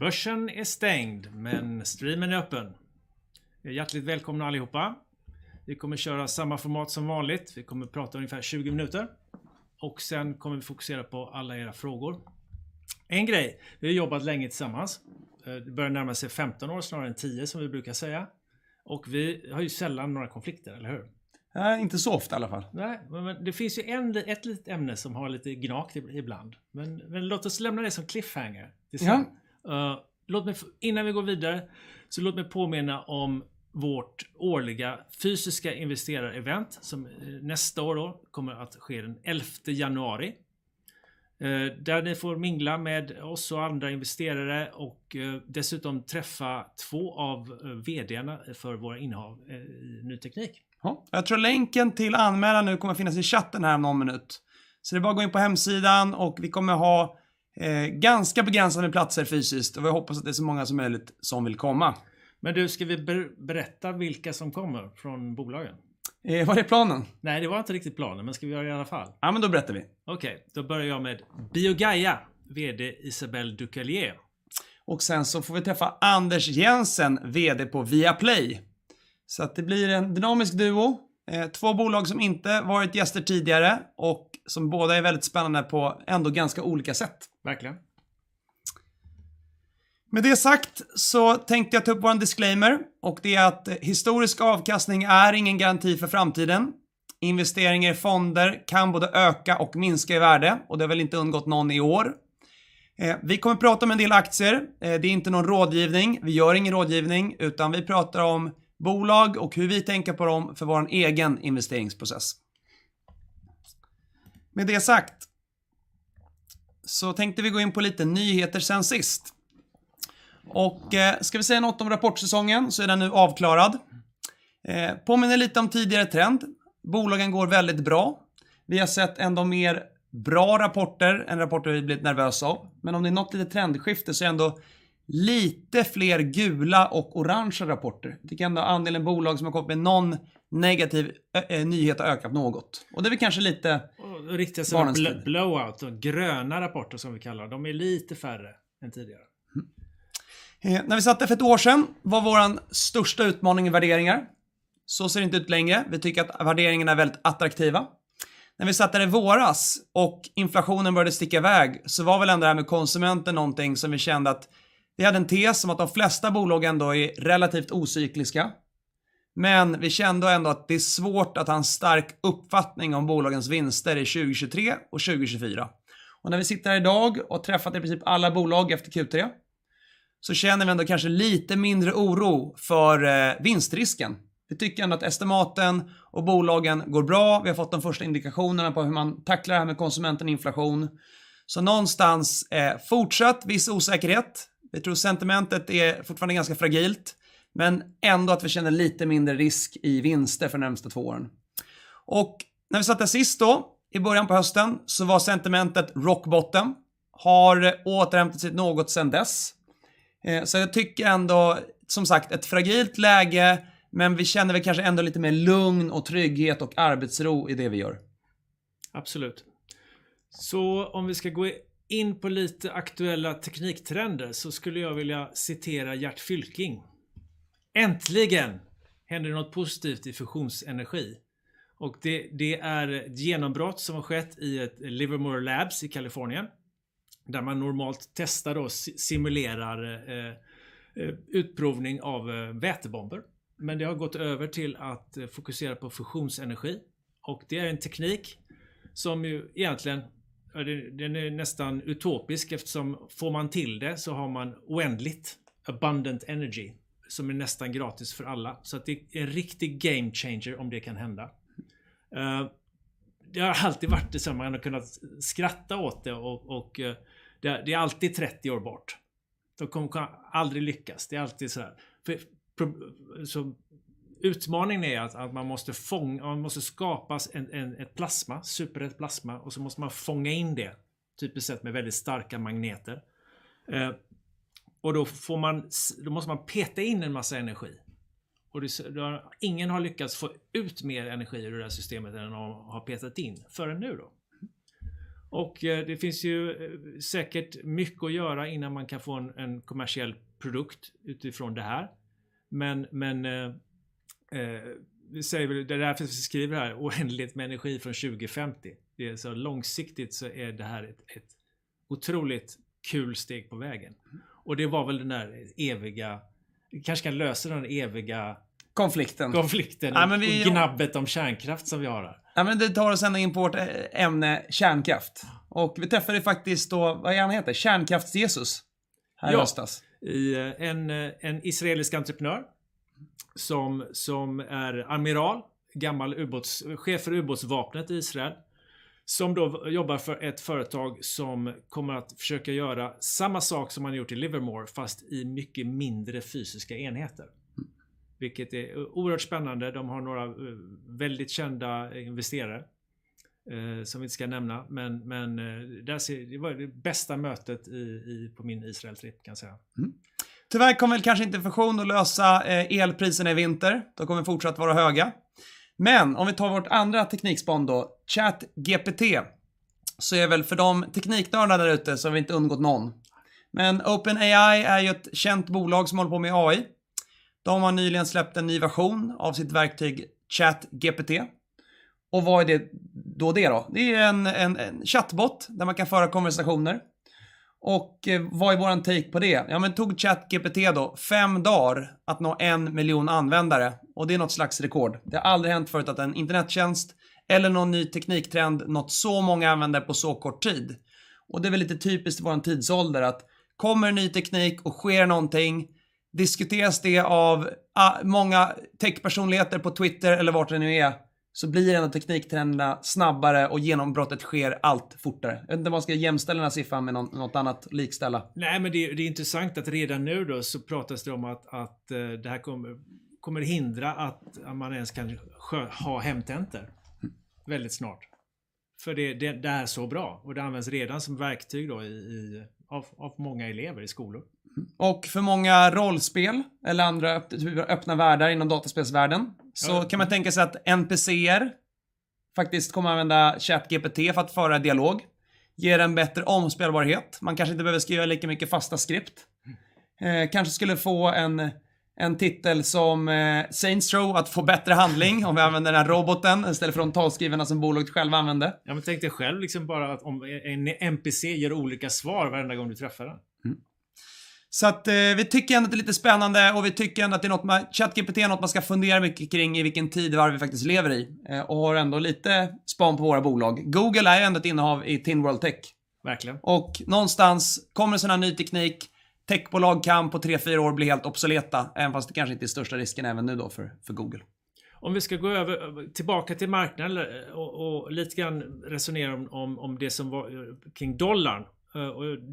Börsen är stängd. Streamen är öppen. Hjärtligt välkomna allihopa. Vi kommer köra samma format som vanligt. Vi kommer prata ungefär 20 minuter. Sen kommer vi fokusera på alla era frågor. En grej, vi har jobbat länge tillsammans. Det börjar närma sig 15 år snarare än 10 som vi brukar säga. Vi har ju sällan några konflikter, eller hur? Nej, inte så ofta i alla fall. Nej, det finns ju en, ett litet ämne som har lite gnag ibland. Låt oss lämna det som cliffhanger. Ja. Låt mig, innan vi går vidare så låt mig påminna om vårt årliga fysiska investerarevent som nästa år då kommer att ske den 11th of January. Där ni får mingla med oss och andra investerare och dessutom träffa 2 av vd:arna för våra innehav i ny teknik. Jag tror länken till anmälan nu kommer att finnas i chatten här om någon minut. Det är bara att gå in på hemsidan och vi kommer att ha ganska begränsade platser fysiskt och vi hoppas att det är så många som möjligt som vill komma. Du, ska vi berätta vilka som kommer från bolagen? Var det planen? Nej, det var inte riktigt planen, men ska vi göra det i alla fall? Ja, då berättar vi. Okej, då börjar jag med BioGaia, VD Isabelle Ducellier. Får vi träffa Anders Jensen, Vd på Viaplay. Det blir en dynamisk duo. Two bolag som inte varit gäster tidigare och som båda är väldigt spännande på ändå ganska olika sätt. Verkligen. Med det sagt, tänkte jag ta upp våran disclaimer. Det är att historisk avkastning är ingen garanti för framtiden. Investeringar i fonder kan både öka och minska i värde. Det har väl inte undgått någon i år. Vi kommer prata om en del aktier. Det är inte någon rådgivning. Vi gör ingen rådgivning. Vi pratar om bolag och hur vi tänker på dem för vår egen investeringsprocess. Med det sagt tänkte vi gå in på lite nyheter sedan sist. Ska vi säga något om rapportsäsongen, den är nu avklarad. Påminner lite om tidigare trend. Bolagen går väldigt bra. Vi har sett ändå mer bra rapporter än rapporter vi blivit nervösa av. Om det är något litet trendskifte, är ändå lite fler gula och orange rapporter. Det kan vara andelen bolag som har kommit med någon negativ nyhet har ökat något. Det är väl kanske. Riktiga sådana blowout, gröna rapporter som vi kallar dem, de är lite färre än tidigare. När vi satt här för ett år sedan var våran största utmaning värderingar. Ser det inte ut längre. Vi tycker att värderingarna är väldigt attraktiva. När vi satt här i våras och inflationen började sticka i väg så var väl ändå det här med konsumenten någonting som vi kände att vi hade en tes om att de flesta bolagen ändå är relativt ocykliska. Vi kände ändå att det är svårt att ha en stark uppfattning om bolagens vinster i 2023 och 2024. När vi sitter här i dag och har träffat i princip alla bolag efter Q3, så känner vi ändå kanske lite mindre oro för vinstrisken. Vi tycker ändå att estimaten och bolagen går bra. Vi har fått de första indikationerna på hur man tacklar det här med konsumenten inflation. Någonstans fortsatt viss osäkerhet. Vi tror sentimentet är fortfarande ganska fragilt, men ändå att vi känner lite mindre risk i vinster för de närmaste två åren. När vi satt här sist då i början på hösten så var sentimentet rock bottom. Har återhämtat sig något sedan dess. Jag tycker ändå, som sagt, ett fragilt läge, men vi känner väl kanske ändå lite mer lugn och trygghet och arbetsro i det vi gör. Absolut. Om vi ska gå in på lite aktuella tekniktrender skulle jag vilja citera Gert Fylking: "Äntligen händer det något positivt i fusionsenergi." Det är ett genombrott som har skett i ett Livermore Labs i California, där man normalt testar och simulerar utprovning av vätebomber. Men det har gått över till att fokusera på fusionsenergi och det är en teknik som ju egentligen, den är nästan utopisk eftersom får man till det så har man oändligt abundant energy som är nästan gratis för alla. Det är en riktig game changer om det kan hända. Det har alltid varit det så man har kunnat skratta åt det och det är alltid 30 years bort. De kommer aldrig lyckas. Det är alltid såhär. Utmaningen är att man måste fånga, man måste skapa en, ett plasma, superhett plasma, och så måste man fånga in det, typiskt sett med väldigt starka magneter. Och då får man, då måste man peta in en massa energi. Ingen har lyckats få ut mer energi ur det här systemet än de har petat in före nu då. Det finns ju säkert mycket att göra innan man kan få en kommersiell produkt utifrån det här. Men, men vi säger väl, det är därför vi skriver det här, oändligt med energi från 2050. Det är så långsiktigt så är det här ett otroligt kul steg på vägen. Det var väl den där eviga, kanske kan lösa den eviga- Konflikten ...konflikten och gnabbet om kärnkraft som vi har här. Ja, men det tar oss ändå in på vårt ämne kärnkraft. Vi träffade faktiskt då, vad är det han heter? Kärnkrafts-Jesus här i höstas. Ja, i en israelisk entreprenör som är amiral, gammal ubåtschef för ubåtsvapnet i Israel, som då jobbar för ett företag som kommer att försöka göra samma sak som man gjort i Livermore fast i mycket mindre fysiska enheter, vilket är oerhört spännande. De har några väldigt kända investerare, som vi inte ska nämna. Där ser jag, det var det bästa mötet i på min Israel-tripp kan jag säga. Tyvärr kommer väl kanske inte fusion att lösa elpriserna i vinter. De kommer fortsatt vara höga. Om vi tar vårt andra teknikspann då, ChatGPT, så är väl för de tech nerds där ute som vi inte undgått någon. OpenAI är ju ett känt bolag som håller på med AI. De har nyligen släppt en ny version av sitt verktyg ChatGPT. Vad är det då det då? Det är en chatbot där man kan föra konversationer. Vad är vår take på det? Det tog ChatGPT då 5 dagar att nå 1 million användare och det är något slags rekord. Det har aldrig hänt förut att en internettjänst eller någon ny tekniktrend nått så många användare på så kort tid. Det är väl lite typiskt i vår tidsålder att kommer ny teknik och sker någonting, diskuteras det av många techpersonligheter på Twitter eller vart det nu är, så blir en av tekniktrenderna snabbare och genombrottet sker allt fortare. Undrar vad man ska jämställa den här siffran med något annat likställa. Nej, men det är intressant att redan nu då så pratas det om att det här kommer hindra att man ens kan ha hemtentor väldigt snart. För det är så bra och det används redan som verktyg då i av många elever i skolor. För många rollspel eller andra öppna världar inom dataspelsvärlden så kan man tänka sig att NPCs faktiskt kommer använda ChatGPT för att föra dialog, ger en bättre omspelbarhet. Man kanske inte behöver skriva lika mycket fasta scripts. Kanske skulle få en titel som Saints Row att få bättre handling om vi använder den här roboten istället för de talskrivarna som bolaget själva använde. Ja, tänk dig själv, liksom bara att om en NPC ger olika svar varenda gång du träffar den. Vi tycker ändå att det är lite spännande och vi tycker ändå att det är något man, ChatGPT är något man ska fundera mycket kring i vilken tidvarv vi faktiskt lever i och har ändå lite span på våra bolag. Google är ändå ett innehav i TIN World Tech. Verkligen. Någonstans kommer sån här ny teknik, techbolag kan på three, four år bli helt obsoleta, även fast det kanske inte är största risken även nu då för Google. Om vi ska gå över, tillbaka till marknaden och lite grann resonera om det som var kring dollarn.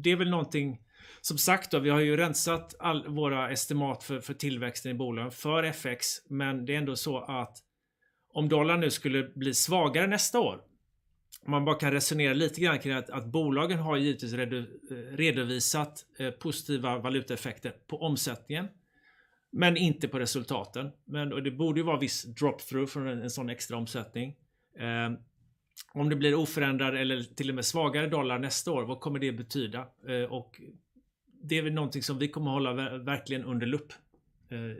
Det är väl någonting, som sagt då, vi har ju rensat all våra estimat för tillväxten i bolagen för FX, men det är ändå så att om dollarn nu skulle bli svagare nästa år. Om man bara kan resonera lite grann kring att bolagen har givetvis redovisat positiva valutaeffekter på omsättningen, men inte på resultaten. Det borde ju vara viss drop through för en sån extra omsättning. Om det blir oförändrad eller till och med svagare dollar nästa år, vad kommer det betyda? Det är väl någonting som vi kommer hålla verkligen under lupp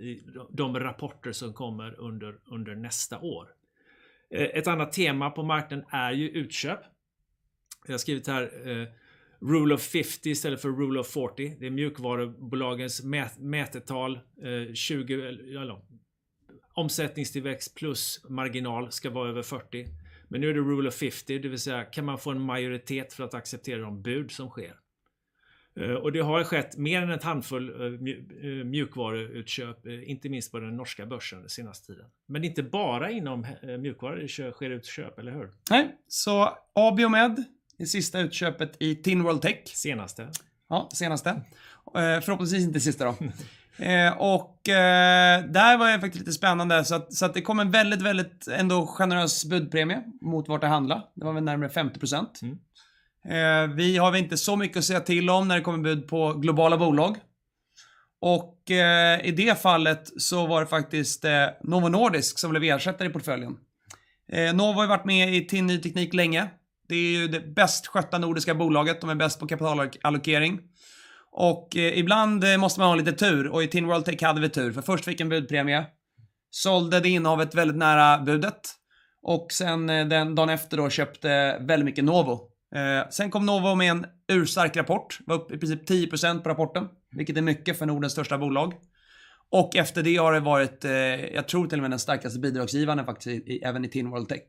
i de rapporter som kommer under nästa år. Ett annat tema på marknaden är ju utköp. Jag har skrivit här, Rule of 50 istället för Rule of 40. Det är mjukvarubolagens mätetal, eller ja, omsättningstillväxt plus marginal ska vara över 40. Nu är det Rule of 50, det vill säga kan man få en majoritet för att acceptera de bud som sker. Och det har skett mer än ett handfull mjukvarutköp, inte minst på den norska börsen den senaste tiden. Inte bara inom mjukvaror sker utköp, eller hur? Nej, Abiomed, det sista utköpet i TIN World Tech. Senaste. Ja, senaste. Förhoppningsvis inte sista då. Där var det faktiskt lite spännande. Det kom en väldigt ändå generös budpremie mot vart det handlade. Det var väl närmare 50%. Vi har inte så mycket att säga till om när det kommer bud på globala bolag. I det fallet så var det faktiskt Novo Nordisk som blev ersättare i portföljen. Novo har ju varit med i Tin Ny Teknik länge. Det är ju det bäst skötta nordiska bolaget. De är bäst på kapitalallokering. Ibland måste man ha lite tur och i Tin World Tech hade vi tur. Först fick vi en budpremie, sålde det innehavet väldigt nära budet och sen den dagen efter då köpte väldigt mycket Novo. Sen kom Novo med en urstark rapport, var upp i princip 10% på rapporten, vilket är mycket för Nordens största bolag. Efter det har det varit, jag tror till och med den starkaste bidragsgivaren faktiskt i, även i TIN World Tech.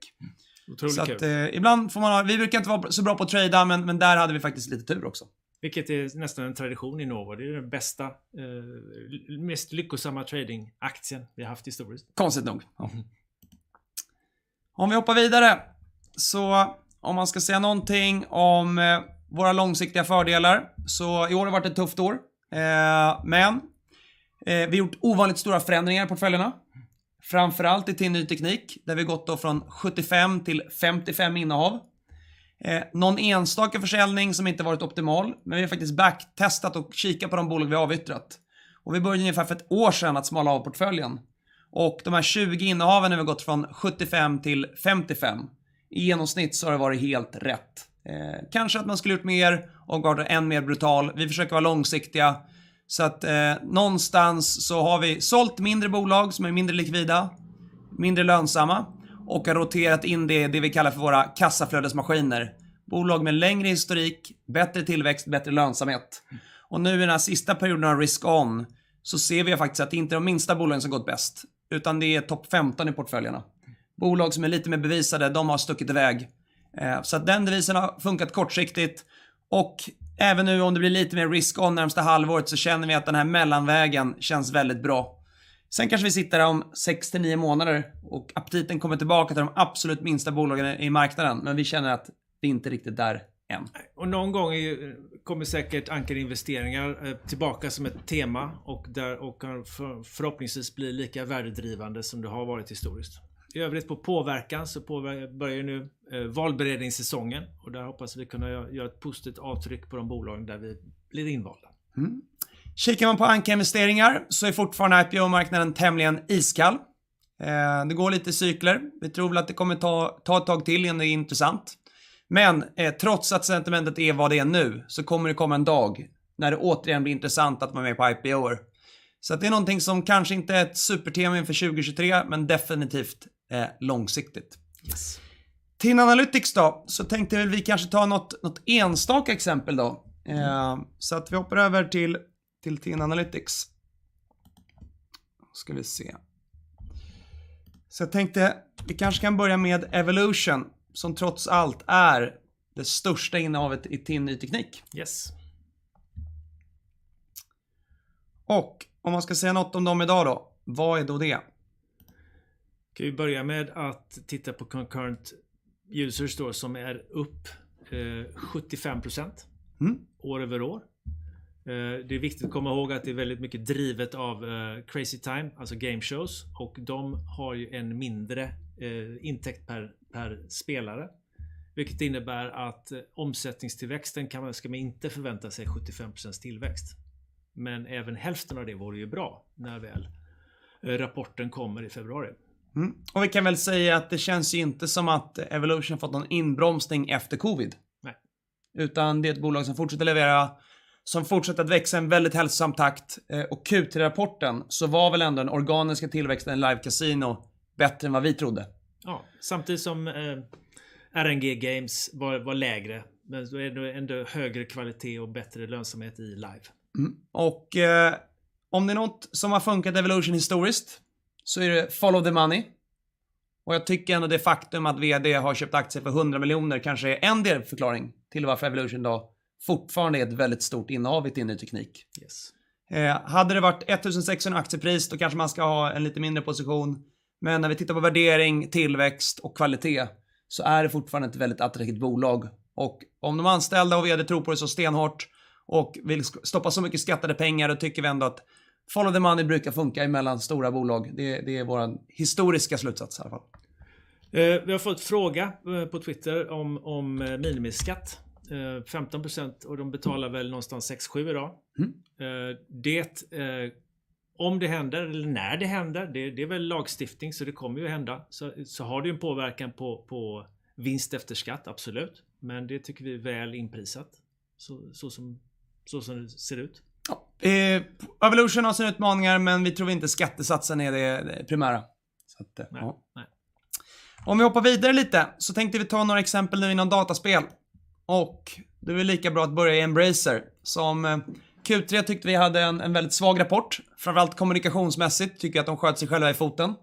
Otroligt kul. Ibland får man ha, vi brukar inte vara så bra på att trejda, men där hade vi faktiskt lite tur också. Vilket är nästan en tradition i Novo. Det är den bästa, mest lyckosamma tradingaktien vi haft historiskt. Konstigt nog. Vi hoppar vidare. Om man ska säga någonting om våra långsiktiga fördelar, i år har det varit ett tufft år. Vi har gjort ovanligt stora förändringar i portföljerna, framför allt i TIN Ny Teknik, där vi gått då från 75 till 55 innehav. Någon enstaka försäljning som inte varit optimal, vi har faktiskt backtestat och kikat på de bolag vi avyttrat. Vi började ungefär för ett år sedan att smala av portföljen. De här 20 innehaven när vi har gått från 75 till 55. I genomsnitt har det varit helt rätt. Kanske att man skulle gjort mer och varit än mer brutal. Vi försöker vara långsiktiga. Någonstans har vi sålt mindre bolag som är mindre likvida, mindre lönsamma och har roterat in det vi kallar för våra kassaflödesmaskiner. Bolag med längre historik, bättre tillväxt, bättre lönsamhet. Nu i den här sista perioden av risk on så ser vi faktiskt att det inte är de minsta bolagen som gått bäst, utan det är top 15 i portföljerna. Bolag som är lite mer bevisade, de har stuckit i väg. Den devisen har funkat kortsiktigt och även nu om det blir lite mer risk on närmaste halvåret så känner vi att den här mellanvägen känns väldigt bra. Kanske vi sitter här om 6-9 månader och aptiten kommer tillbaka till de absolut minsta bolagen i marknaden, men vi känner att vi är inte riktigt där än. Någon gång kommer säkert ankarinvesteringar tillbaka som ett tema och där kan förhoppningsvis bli lika värdedrivande som det har varit historiskt. I övrigt på påverkan så börjar nu valberedningssäsongen och där hoppas vi kunna göra ett positivt avtryck på de bolagen där vi blir invalda. Kikar man på ankarinvesteringar så är fortfarande IPO-marknaden tämligen iskall. Det går lite i cykler. Vi tror väl att det kommer ta ett tag till innan det är intressant. Trots att sentimentet är vad det är nu, så kommer det komma en dag när det återigen blir intressant att vara med på IPOs. Det är någonting som kanske inte är ett supertema inför 2023, men definitivt långsiktigt. Yes. TIN Analytics då, tänkte jag vi kanske tar något enstaka exempel då. Att vi hoppar över till TIN Analytics. Ska vi se. Jag tänkte vi kanske kan börja med Evolution som trots allt är det största innehavet i TIN Ny Teknik. Yes. Om man ska säga något om dem i dag då, vad är då det? Då kan vi börja med att titta på concurrent users då som är upp 75%. Mm. År över år. Det är viktigt att komma ihåg att det är väldigt mycket drivet av Crazy Time, alltså gameshows, och de har ju en mindre intäkt per spelare, vilket innebär att omsättningstillväxten ska man inte förvänta sig 75% tillväxt. Även hälften av det vore ju bra när väl rapporten kommer i februari. Vi kan väl säga att det känns ju inte som att Evolution har fått någon inbromsning efter Covid. Nej. Utan det är ett bolag som fortsätter leverera, som fortsätter att växa i en väldigt hälsosam takt. Q3-rapporten så var väl ändå den organiska tillväxten i live casino bättre än vad vi trodde. Samtidigt som RNG games var lägre. Det är ändå högre kvalitet och bättre lönsamhet i live. Om det är något som har funkat Evolution historiskt så är det follow the money. Jag tycker ändå det faktum att vd har köpt aktier för SEK 100 million kanske är en delförklaring till varför Evolution då fortfarande är ett väldigt stort innehav i TIN Ny Teknik. Yes. Hade det varit 1,600 i aktiepris, då kanske man ska ha en lite mindre position. När vi tittar på värdering, tillväxt och kvalitet så är det fortfarande ett väldigt attraktivt bolag. Om de anställda och vd tror på det så stenhårt och vill stoppa så mycket skattade pengar, då tycker vi ändå att follow the money brukar funka emellan stora bolag. Det är vår historiska slutsats i alla fall. Vi har fått fråga på Twitter om minimiskatt, 15% och de betalar väl någonstans 6%-7% i dag. Mm. Om det händer eller när det händer, det är väl lagstiftning så det kommer ju hända. Har det ju en påverkan på vinst efter skatt, absolut. Det tycker vi är väl inprisat. Så som det ser ut. Ja, Evolution har sina utmaningar, men vi tror inte skattesatsen är det primära. Ja. Nej. Om vi hoppar vidare lite så tänkte vi ta några exempel nu inom dataspel och det är väl lika bra att börja i Embracer. Som Q3 tyckte vi hade en väldigt svag rapport, framför allt kommunikationsmässigt tycker jag att de sköt sig själva i foten.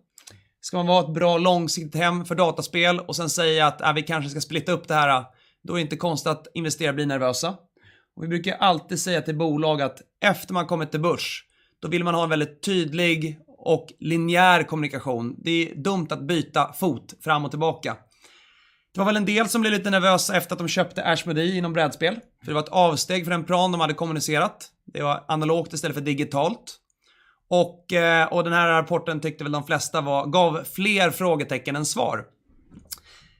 Ska man vara ett bra långsiktigt hem för dataspel och sen säga att: "Ja, vi kanske ska splitta upp det här." Då är det inte konstigt att investerare blir nervösa. Vi brukar ju alltid säga till bolag att efter man kommit till börs, då vill man ha en väldigt tydlig och linjär kommunikation. Det är dumt att byta fot fram och tillbaka. Det var väl en del som blev lite nervösa efter att de köpte Asmodee inom brädspel, för det var ett avsteg från den plan de hade kommunicerat. Det var analogt istället för digitalt. Den här rapporten tyckte väl de flesta var, gav fler frågetecken än svar.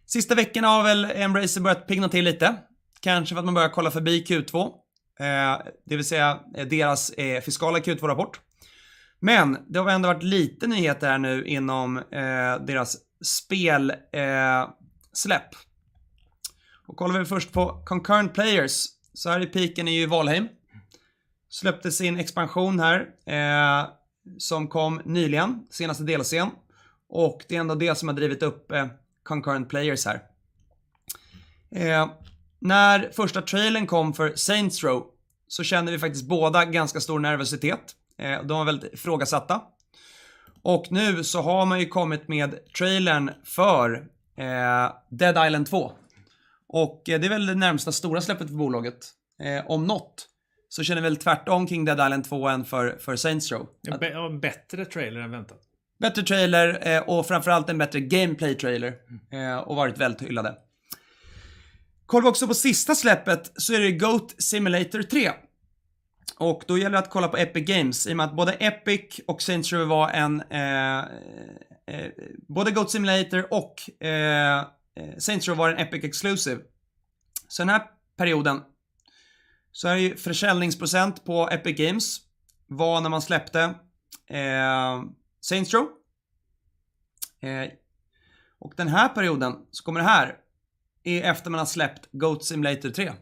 Sista veckan har väl Embracer börjat piggna till lite. Kanske för att man börjar kolla förbi Q2, det vill säga deras fiskala Q2-rapport. Det har ändå varit lite nyheter här nu inom deras spel släpp. Kollar vi först på concurrent players så är ju peaken i Valheim. Släppte sin expansion här, som kom nyligen, senaste delscen, och det är en av de som har drivit upp concurrent players här. När första trailern kom för Saints Row så kände vi faktiskt båda ganska stor nervositet. De var väldigt ifrågasatta. Nu så har man ju kommit med trailern för Dead Island 2. Det är väl det närmsta stora släppet för bolaget. Om något så känner vi väl tvärtom kring Dead Island 2 än för Saints Row. En bättre trailer än väntat. Bättre trailer och framför allt en bättre gameplay-trailer och varit vältyllade. Kollar vi också på sista släppet så är det Goat Simulator 3. Då gäller det att kolla på Epic Games i och med att både Epic och Saints Row var en. Både Goat Simulator och Saints Row var en Epic exclusive. Den här perioden så är försäljningsprocent på Epic Games var när man släppte Saints Row. Den här perioden så kommer det här är efter man har släppt Goat Simulator 3.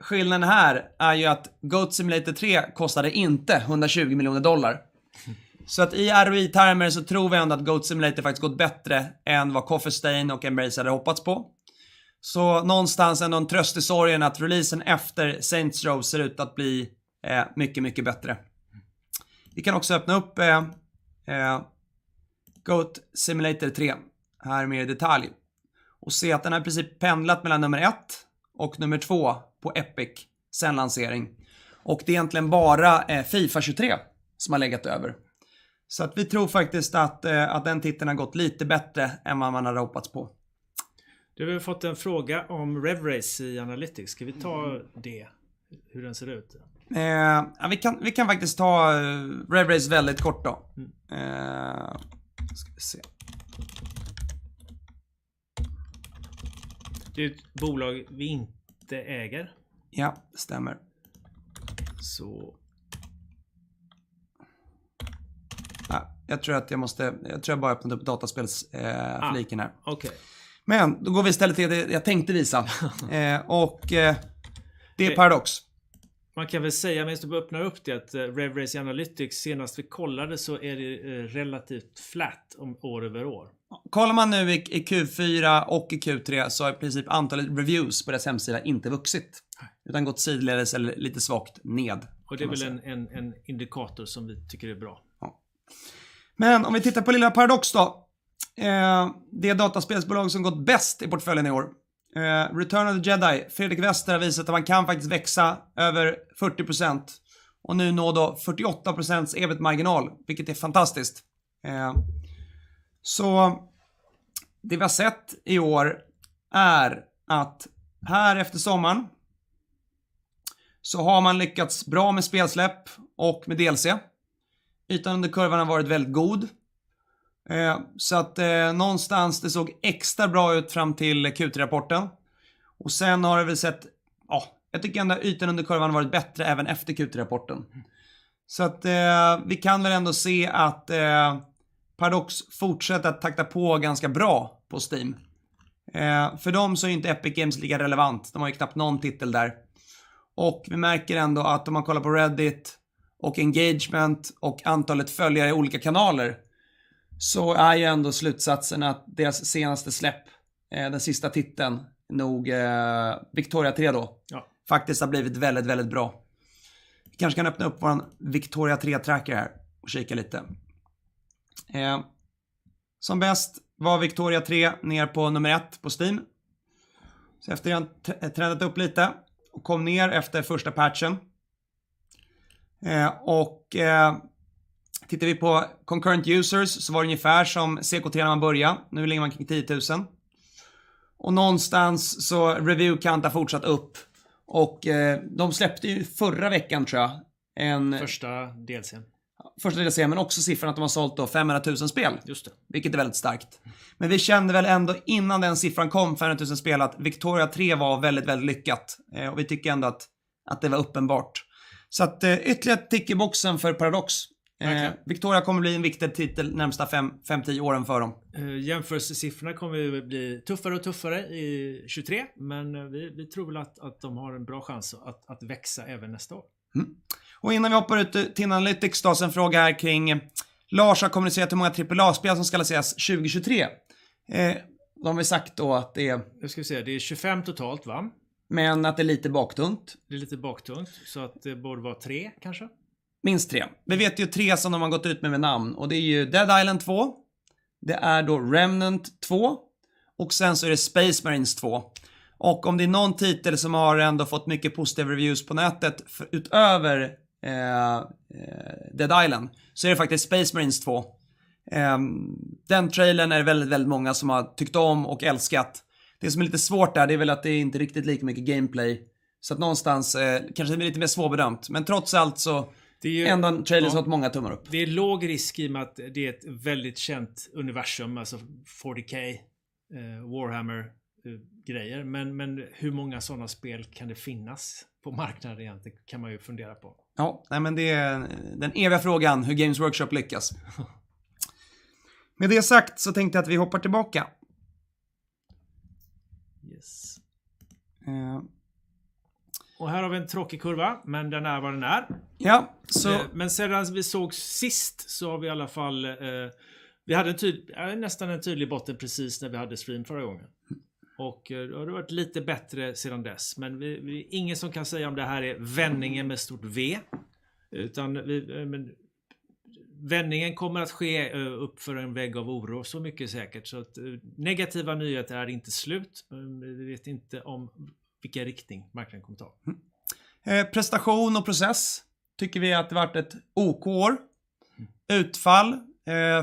Skillnaden här är ju att Goat Simulator 3 kostade inte $120 million. I ROI-termer så tror vi ändå att Goat Simulator faktiskt gått bättre än vad Coffee Stain och Embracer hade hoppats på. Någonstans är det någon tröst i sorgen att releasen efter Saints Row ser ut att bli mycket bättre. Vi kan också öppna upp Goat Simulator 3 här mer i detalj och se att den har i princip pendlat mellan nummer ett och nummer två på Epic sedan lansering. Det är egentligen bara FIFA 23 som har legat över. Vi tror faktiskt att den titeln har gått lite bättre än vad man hade hoppats på. Du har ju fått en fråga om RevRace i Analytics. Ska vi ta det? Hur den ser ut? Ja vi kan faktiskt ta RevRace väldigt kort då. Då ska vi se Det är ett bolag vi inte äger. Stämmer. Jag tror jag bara öppnade upp dataspels mappen här. Ja, okej. Men då går vi istället till det jag tänkte visa. Det är Paradox. Man kan väl säga när du öppnar upp det att RevRacing Analytics senast vi kollade så är det, relativt flat om year-over-year. Kollar man nu i Q4 och i Q3 så har i princip antalet reviews på deras hemsida inte vuxit, utan gått sidledes eller lite svagt ned. det är väl en indikator som vi tycker är bra. Om vi tittar på lilla Paradox då. Det dataspelsbolag som gått bäst i portföljen i år. Return of the Jedi, Fredrik Wester har visat att man kan faktiskt växa över 40% och nu nå då 48% EBIT-marginal, vilket är fantastiskt. Det vi har sett i år är att här efter sommaren så har man lyckats bra med spelsläpp och med DLC. Ytan under kurvan har varit väldigt god. Det såg extra bra ut fram till Q3-rapporten. Sen har vi sett, ja, jag tycker ändå ytan under kurvan har varit bättre även efter Q3-rapporten. Vi kan väl ändå se att Paradox fortsätter att takta på ganska bra på Steam. För dem så är ju inte Epic Games lika relevant. De har ju knappt någon titel där. Vi märker ändå att om man kollar på Reddit och engagement och antalet följare i olika kanaler, så är ju ändå slutsatsen att deras senaste släpp, den sista titeln, Victoria 3 då, faktiskt har blivit väldigt bra. Vi kanske kan öppna upp vår Victoria 3-tracker här och kika lite. Som bäst var Victoria 3 ner på number one på Steam. Efter det har den trendat upp lite och kom ner efter första patch. Tittar vi på concurrent users så var det ungefär som CCU när man började. Nu ligger man kring 10,000. Någonstans så review count har fortsatt upp och de släppte ju förra veckan tror jag. Första DLC:n. Första DLC:n, men också siffran att de har sålt då 500,000 spel. Just det. Vilket är väldigt starkt. Vi kände väl ändå innan den siffran kom, 500,000 spel, att Victoria 3 var väldigt lyckat. Vi tycker ändå att det var uppenbart. Ytterligare tick i boxen för Paradox. Verkligen. Victoria kommer att bli en viktig titel närmsta 5-10 åren för dem. Jämförelsesiffrorna kommer ju bli tuffare och tuffare i 2023, men vi tror väl att de har en bra chans att växa även nästa år. Mm. Innan vi hoppar ut till TIN Analytics då, så en fråga här kring, Lars har kommunicerat hur många AAA games som ska släppas 2023. De har vi sagt då att det är... Nu ska vi se, det är 25 totalt va? att det är lite baktungt. Det är lite baktungt, det borde vara 3 kanske. Minst 3. Vi vet ju 3 som de har gått ut med med namn och det är ju Dead Island 2, det är då Remnant 2 och sen så är det Space Marine 2. Om det är någon titel som har ändå fått mycket positiva reviews på nätet för utöver Dead Island, så är det faktiskt Space Marine 2. Den trailern är det väldigt många som har tyckt om och älskat. Det som är lite svårt där, det är väl att det är inte riktigt lika mycket gameplay. Någonstans kanske det blir lite mer svårbedömt. Trots allt så ändå en trailer som fått många tummar upp. Det är låg risk i och med att det är ett väldigt känt universum, alltså 40K, Warhammer-grejer. Hur många sådana spel kan det finnas på marknaden egentligen? Kan man ju fundera på. Ja, nej men det är den eviga frågan, hur Games Workshop lyckas. Med det sagt tänkte jag att vi hoppar tillbaka. Yes. Eh. Här har vi en tråkig kurva, men den är vad den är. Ja, så. Sedan vi sågs sist så har vi i alla fall, vi hade en typ, ja nästan en tydlig botten precis när vi hade stream förra gången. Då har det varit lite bättre sedan dess. Vi, ingen som kan säga om det här är vändningen med stort V. Vi, men vändningen kommer att ske uppför en vägg av oro, så mycket är säkert. Negativa nyheter är inte slut. Vi vet inte om, vilka riktning marknaden kommer ta. Prestation och process tycker vi att det har varit ett okej år. Utfall,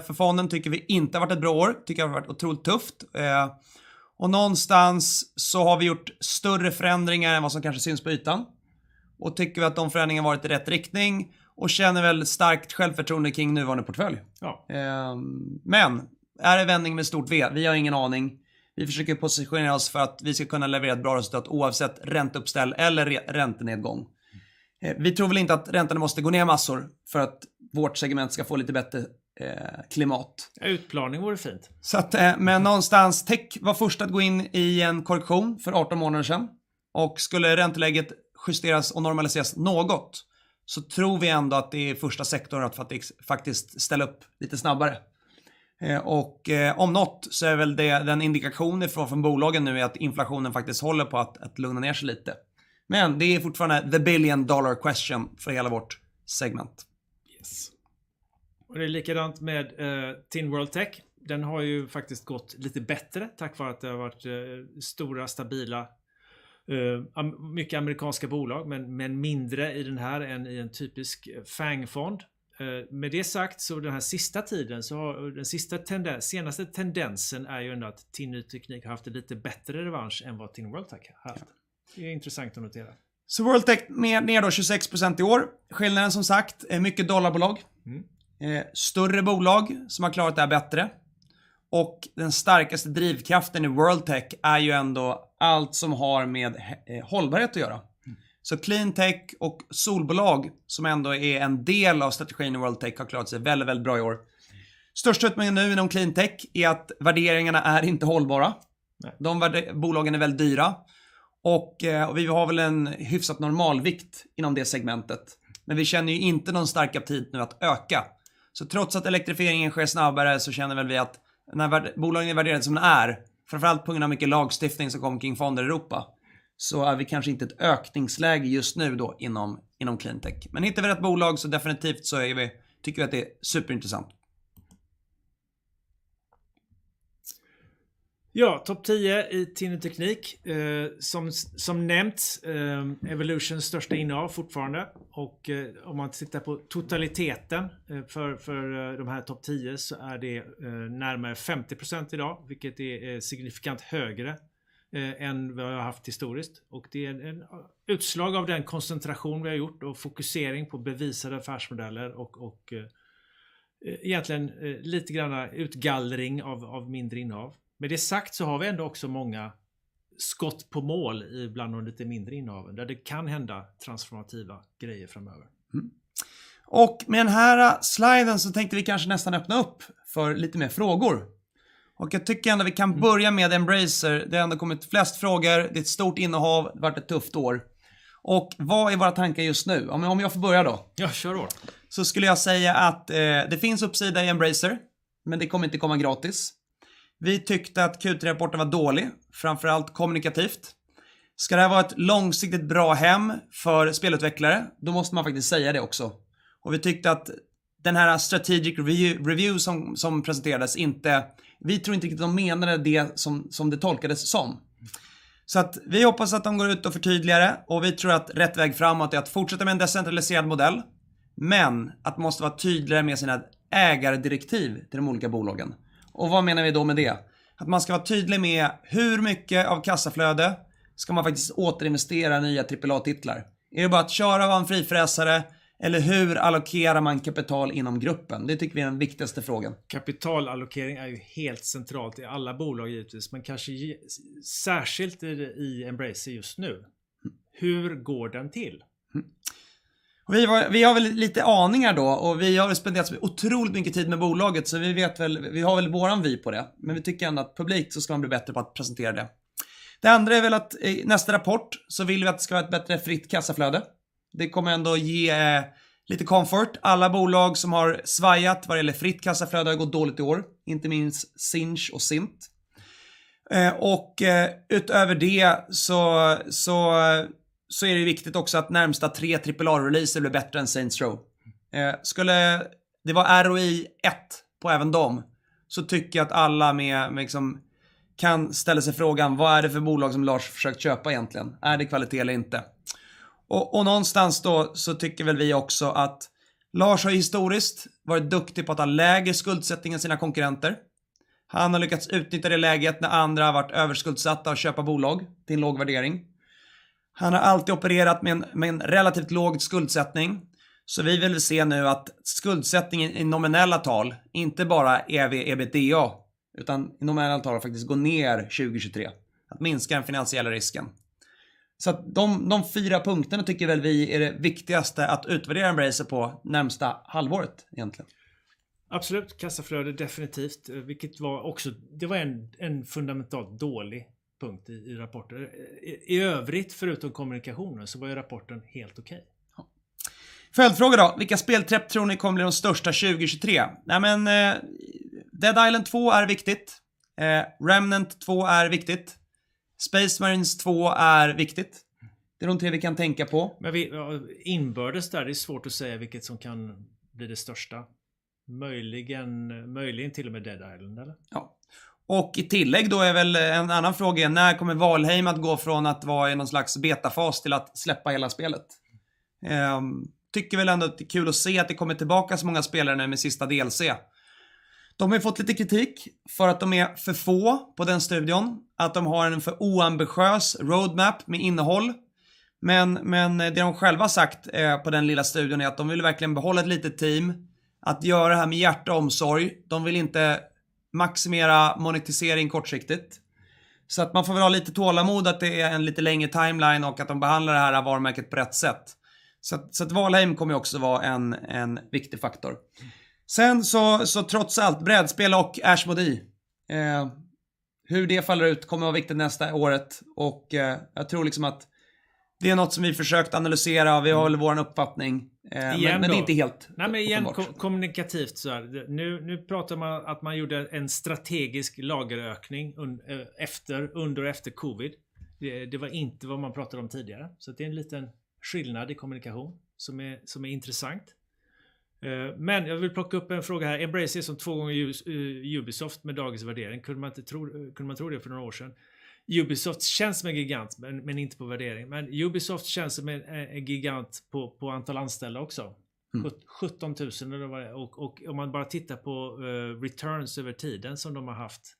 för fonden tycker vi inte har varit ett bra år, tycker jag har varit otroligt tufft. Och någonstans så har vi gjort större förändringar än vad som kanske syns på ytan. Tycker vi att de förändringarna har varit i rätt riktning och känner väldigt starkt självförtroende kring nuvarande portfölj. Ja. Är det vändningen med stort V? Vi har ingen aning. Vi försöker positionera oss för att vi ska kunna leverera ett bra resultat oavsett ränteuppställ eller re-räntenedgång. Vi tror väl inte att räntorna måste gå ner massor för att vårt segment ska få lite bättre, klimat. Utplaning vore fint. Någonstans tech var först att gå in i en korrektion för 18 månader sedan och skulle ränteläget justeras och normaliseras något, så tror vi ändå att det är första sektorn att faktiskt ställa upp lite snabbare. Om något så är väl det den indikationen ifrån bolagen nu är att inflationen faktiskt håller på att lugna ner sig lite. Det är fortfarande the $1 billion question för hela vårt segment. Yes. Det är likadant med TIN World Tech. Den har ju faktiskt gått lite bättre tack vare att det har varit stora, stabila, mycket amerikanska bolag, men mindre i den här än i en typisk FANG-fond. Med det sagt, den här sista tiden, den senaste tendensen är ju ändå att TIN New Technology har haft en lite bättre revansch än vad TIN World Tech har haft. Det är intressant att notera. World Tech ner då 26% i år. Skillnaden som sagt är mycket dollarbolag. Större bolag som har klarat det här bättre. Den starkaste drivkraften i World Tech är ju ändå allt som har med hållbarhet att göra. cleantech och solbolag som ändå är en del av strategin i World Tech har klarat sig väldigt bra i år. Största utmaningen nu inom cleantech är att värderingarna är inte hållbara. Bolagen är väldigt dyra och vi har väl en hyfsat normalvikt inom det segmentet. Vi känner ju inte någon stark aptit nu att öka. Trots att elektrifieringen sker snabbare så känner väl vi att när bolagen är värderade som den är, framför allt på grund av mycket lagstiftning som kom kring fonden Europa, så är vi kanske inte ett ökningsläge just nu då inom cleantech. Hittar vi rätt bolag så definitivt så är vi, tycker vi att det är superintressant. Top 10 i TIN Ny Teknik. Som nämnt, Evolution största innehav fortfarande. Om man tittar på totaliteten för de här top 10 så är det närmare 50% i dag, vilket är signifikant högre än vad jag har haft historiskt. Det är en, utslag av den koncentration vi har gjort och fokusering på bevisade affärsmodeller och egentligen lite granna utgallring av mindre innehav. Med det sagt så har vi ändå också många skott på mål i bland de lite mindre innehaven, där det kan hända transformativa grejer framöver. Med den här sliden så tänkte vi kanske nästan öppna upp för lite mer frågor. Jag tycker ändå vi kan börja med Embracer. Det har ändå kommit flest frågor. Det är ett stort innehav, det har varit ett tufft år. Vad är våra tankar just nu? Om jag, om jag får börja då. Ja, kör då. Skulle jag säga att det finns uppsida i Embracer, men det kommer inte komma gratis. Vi tyckte att Q3-rapporten var dålig, framför allt kommunikativt. Ska det här vara ett långsiktigt bra hem för spelutvecklare? Då måste man faktiskt säga det också. Vi tyckte att den här strategic review som presenterades inte. Vi tror inte riktigt de menade det som det tolkades som. Vi hoppas att de går ut och förtydligar det och vi tror att rätt väg framåt är att fortsätta med en decentraliserad modell, men att måste vara tydligare med sina ägardirektiv till de olika bolagen. Vad menar vi då med det? Att man ska vara tydlig med hur mycket av kassaflöde ska man faktiskt återinvestera i nya AAA-titlar. Är det bara att köra och vara en frifräsare? Eller hur allokerar man kapital inom gruppen? Det tycker vi är den viktigaste frågan. Kapitalallokering är ju helt centralt i alla bolag givetvis, men kanske särskilt i Embracer just nu. Hur går den till? Vi var, vi har väl lite aningar då och vi har ju spenderat otroligt mycket tid med bolaget, så vi vet väl, vi har väl vår vy på det, men vi tycker ändå att publikt så ska man bli bättre på att presentera det. Det andra är väl att i nästa rapport så vill vi att det ska vara ett bättre fritt kassaflöde. Det kommer ändå ge lite comfort. Alla bolag som har svajat vad det gäller fritt kassaflöde har gått dåligt i år, inte minst Sinch och Sint. Utöver det så är det ju viktigt också att närmsta 3 triple-A releases blir bättre än Saints Row. Skulle det vara ROI 1 på även dem så tycker jag att alla mer, liksom kan ställa sig frågan: Vad är det för bolag som Lars har försökt köpa egentligen? Är det kvalitet eller inte? Någonstans då så tycker väl vi också att Lars har historiskt varit duktig på att ha lägre skuldsättning än sina konkurrenter. Han har lyckats utnyttja det läget när andra har varit överskuldsatta och köpa bolag till en låg värdering. Han har alltid opererat med en relativt låg skuldsättning. Vi vill se nu att skuldsättningen i nominella tal, inte bara EV, EBITDA, utan i nominella tal att faktiskt gå ner 2023. Att minska den finansiella risken. Att de 4 punkterna tycker väl vi är det viktigaste att utvärdera Embracer på närmsta halvåret egentligen. Absolut, kassaflöde definitivt, vilket var också, det var en fundamentalt dålig punkt i rapporten. I övrigt, förutom kommunikationen, så var ju rapporten helt okej. Följdfråga då: Vilka speltitlar tror ni kommer bli de största 2023? Nej men, Dead Island 2 är viktigt. Remnant II är viktigt. Space Marines 2 är viktigt. Det är de 3 vi kan tänka på. Vi, inbördes där, det är svårt att säga vilket som kan bli det största. Möjligen, möjligen till och med Dead Island, eller? I tillägg då är väl en annan fråga är när kommer Valheim att gå från att vara i någon slags beta-phase till att släppa hela spelet? Jag tycker väl ändå att det är kul att se att det kommer tillbaka så många spelare nu med sista DLC. De har ju fått lite kritik för att de är för få på den studion, att de har en för oambitiös roadmap med innehåll. Det de själva har sagt på den lilla studion är att de vill verkligen behålla ett litet team, att göra det här med hjärta och omsorg. De vill inte maximera monetisering kortsiktigt. Man får väl ha lite tålamod att det är en lite längre timeline och att de behandlar det här varumärket på rätt sätt. Valheim kommer också vara en viktig faktor. Trots allt brädspel och Asmodee hur det faller ut kommer vara viktigt nästa året och jag tror liksom att det är något som vi försökt analysera. Vi har väl vår uppfattning, men det är inte helt. Nej men igen kommunikativt så här. Nu, nu pratar man att man gjorde en strategisk lagerökning efter, under och efter COVID. Det, det var inte vad man pratade om tidigare. Det är en liten skillnad i kommunikation som är, som är intressant. Jag vill plocka upp en fråga här. Embracer som 2 times Ubisoft med dagens värdering. Kunde man inte tro, kunde man tro det för några år sedan? Ubisoft känns som en gigant, men inte på värdering. Ubisoft känns som en gigant på antal anställda också. 17,000 eller vad det var. Om man bara tittar på returns över tiden som de har haft.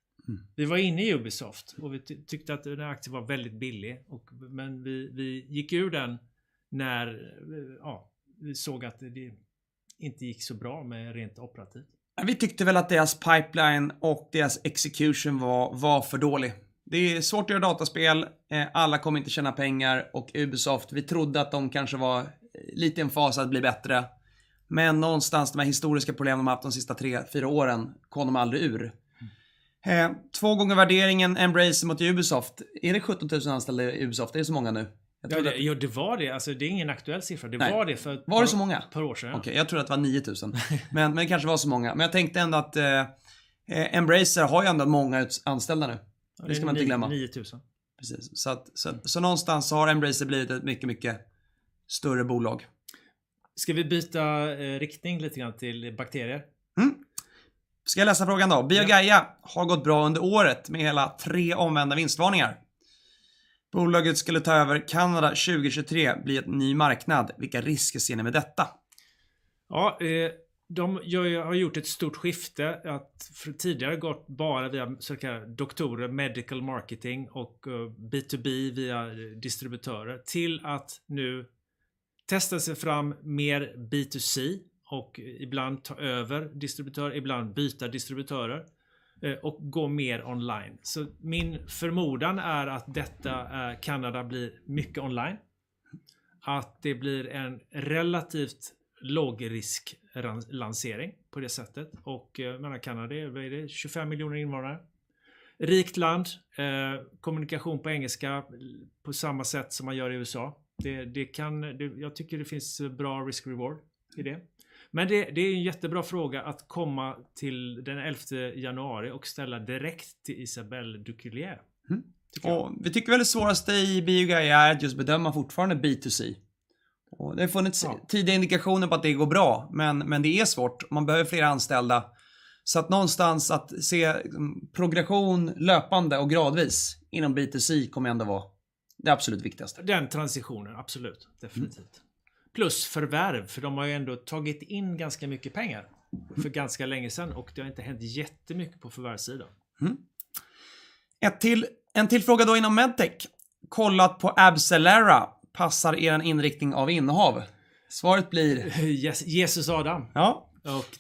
Vi var inne i Ubisoft och vi tyckte att den aktien var väldigt billig och, men vi gick ur den när ja, vi såg att det inte gick så bra med rent operativt. Vi tyckte väl att deras pipeline och deras execution var för dålig. Det är svårt att göra dataspel. Alla kommer inte tjäna pengar och Ubisoft, vi trodde att de kanske var lite i en fas att bli bättre. Någonstans de här historiska problemen de haft de sista 3, 4 åren kom de aldrig ur. 2 gånger värderingen Embracer mot Ubisoft. Är det 17,000 anställda i Ubisoft? Det är så många nu? Ja, det var det. Det är ingen aktuell siffra. Det var det för ett par år sedan. Jag trodde att det var 9,000. Men kanske var så många. Jag tänkte ändå att Embracer har ju ändå många anställda nu. Det ska man inte glömma. Niotusen. Precis. Någonstans har Embracer blivit ett mycket större bolag. Ska vi byta riktning lite grann till bakterier? Ska jag läsa frågan då? BioGaia har gått bra under året med hela tre omvända vinstvarningar. Bolaget skulle ta över Kanada 2023, bli ett ny marknad. Vilka risker ser ni med detta? Jag har gjort ett stort skifte att från tidigare gått bara via så kallade doktorer, medical marketing och B2B via distributörer till att nu testa sig fram mer B2C och ibland ta över distributörer, ibland byta distributörer, och gå mer online. Min förmodan är att detta, Canada blir mycket online. Att det blir en relativt lågrisk lansering på det sättet. Jag menar Canada, vad är det? 25 million invånare. Rikt land, kommunikation på engelska på samma sätt som man gör i USA. Jag tycker det finns bra risk reward i det. Det är en jättebra fråga att komma till den 11th of January och ställa direkt till Isabelle Duquillier. Mm. Vi tycker väl det svåraste i BioGaia är att just bedöma fortfarande B2C. Det har funnits tidiga indikationer på att det går bra, men det är svårt. Man behöver flera anställda. Någonstans att se progression löpande och gradvis inom B2C kommer ändå vara det absolut viktigaste. Den transitionen, absolut, definitivt. Förvärv, för de har ju ändå tagit in ganska mycket pengar för ganska länge sen och det har inte hänt jättemycket på förvärvssidan. Ett till, en till fråga då inom Medtech: Kollat på AbCellera passar er en inriktning av innehav? Svaret blir? Jesus Adam. Ja.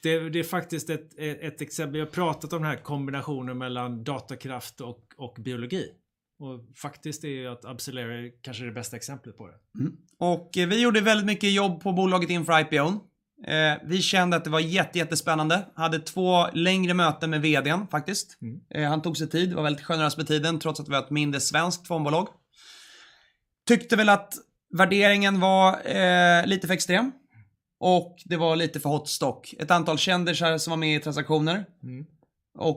Det är faktiskt ett exempel vi har pratat om den här kombinationen mellan datakraft och biologi. Faktiskt är ju att AbCellera kanske är det bästa exemplet på det. Vi gjorde väldigt mycket jobb på bolaget inför IPO. Vi kände att det var jättespännande. Hade två längre möten med VD faktiskt. Han tog sig tid, var väldigt generös med tiden trots att vi var ett mindre svenskt fondbolag. Tyckte väl att värderingen var, lite för extrem och det var lite för hot stock. Ett antal kändisar som var med i transaktioner.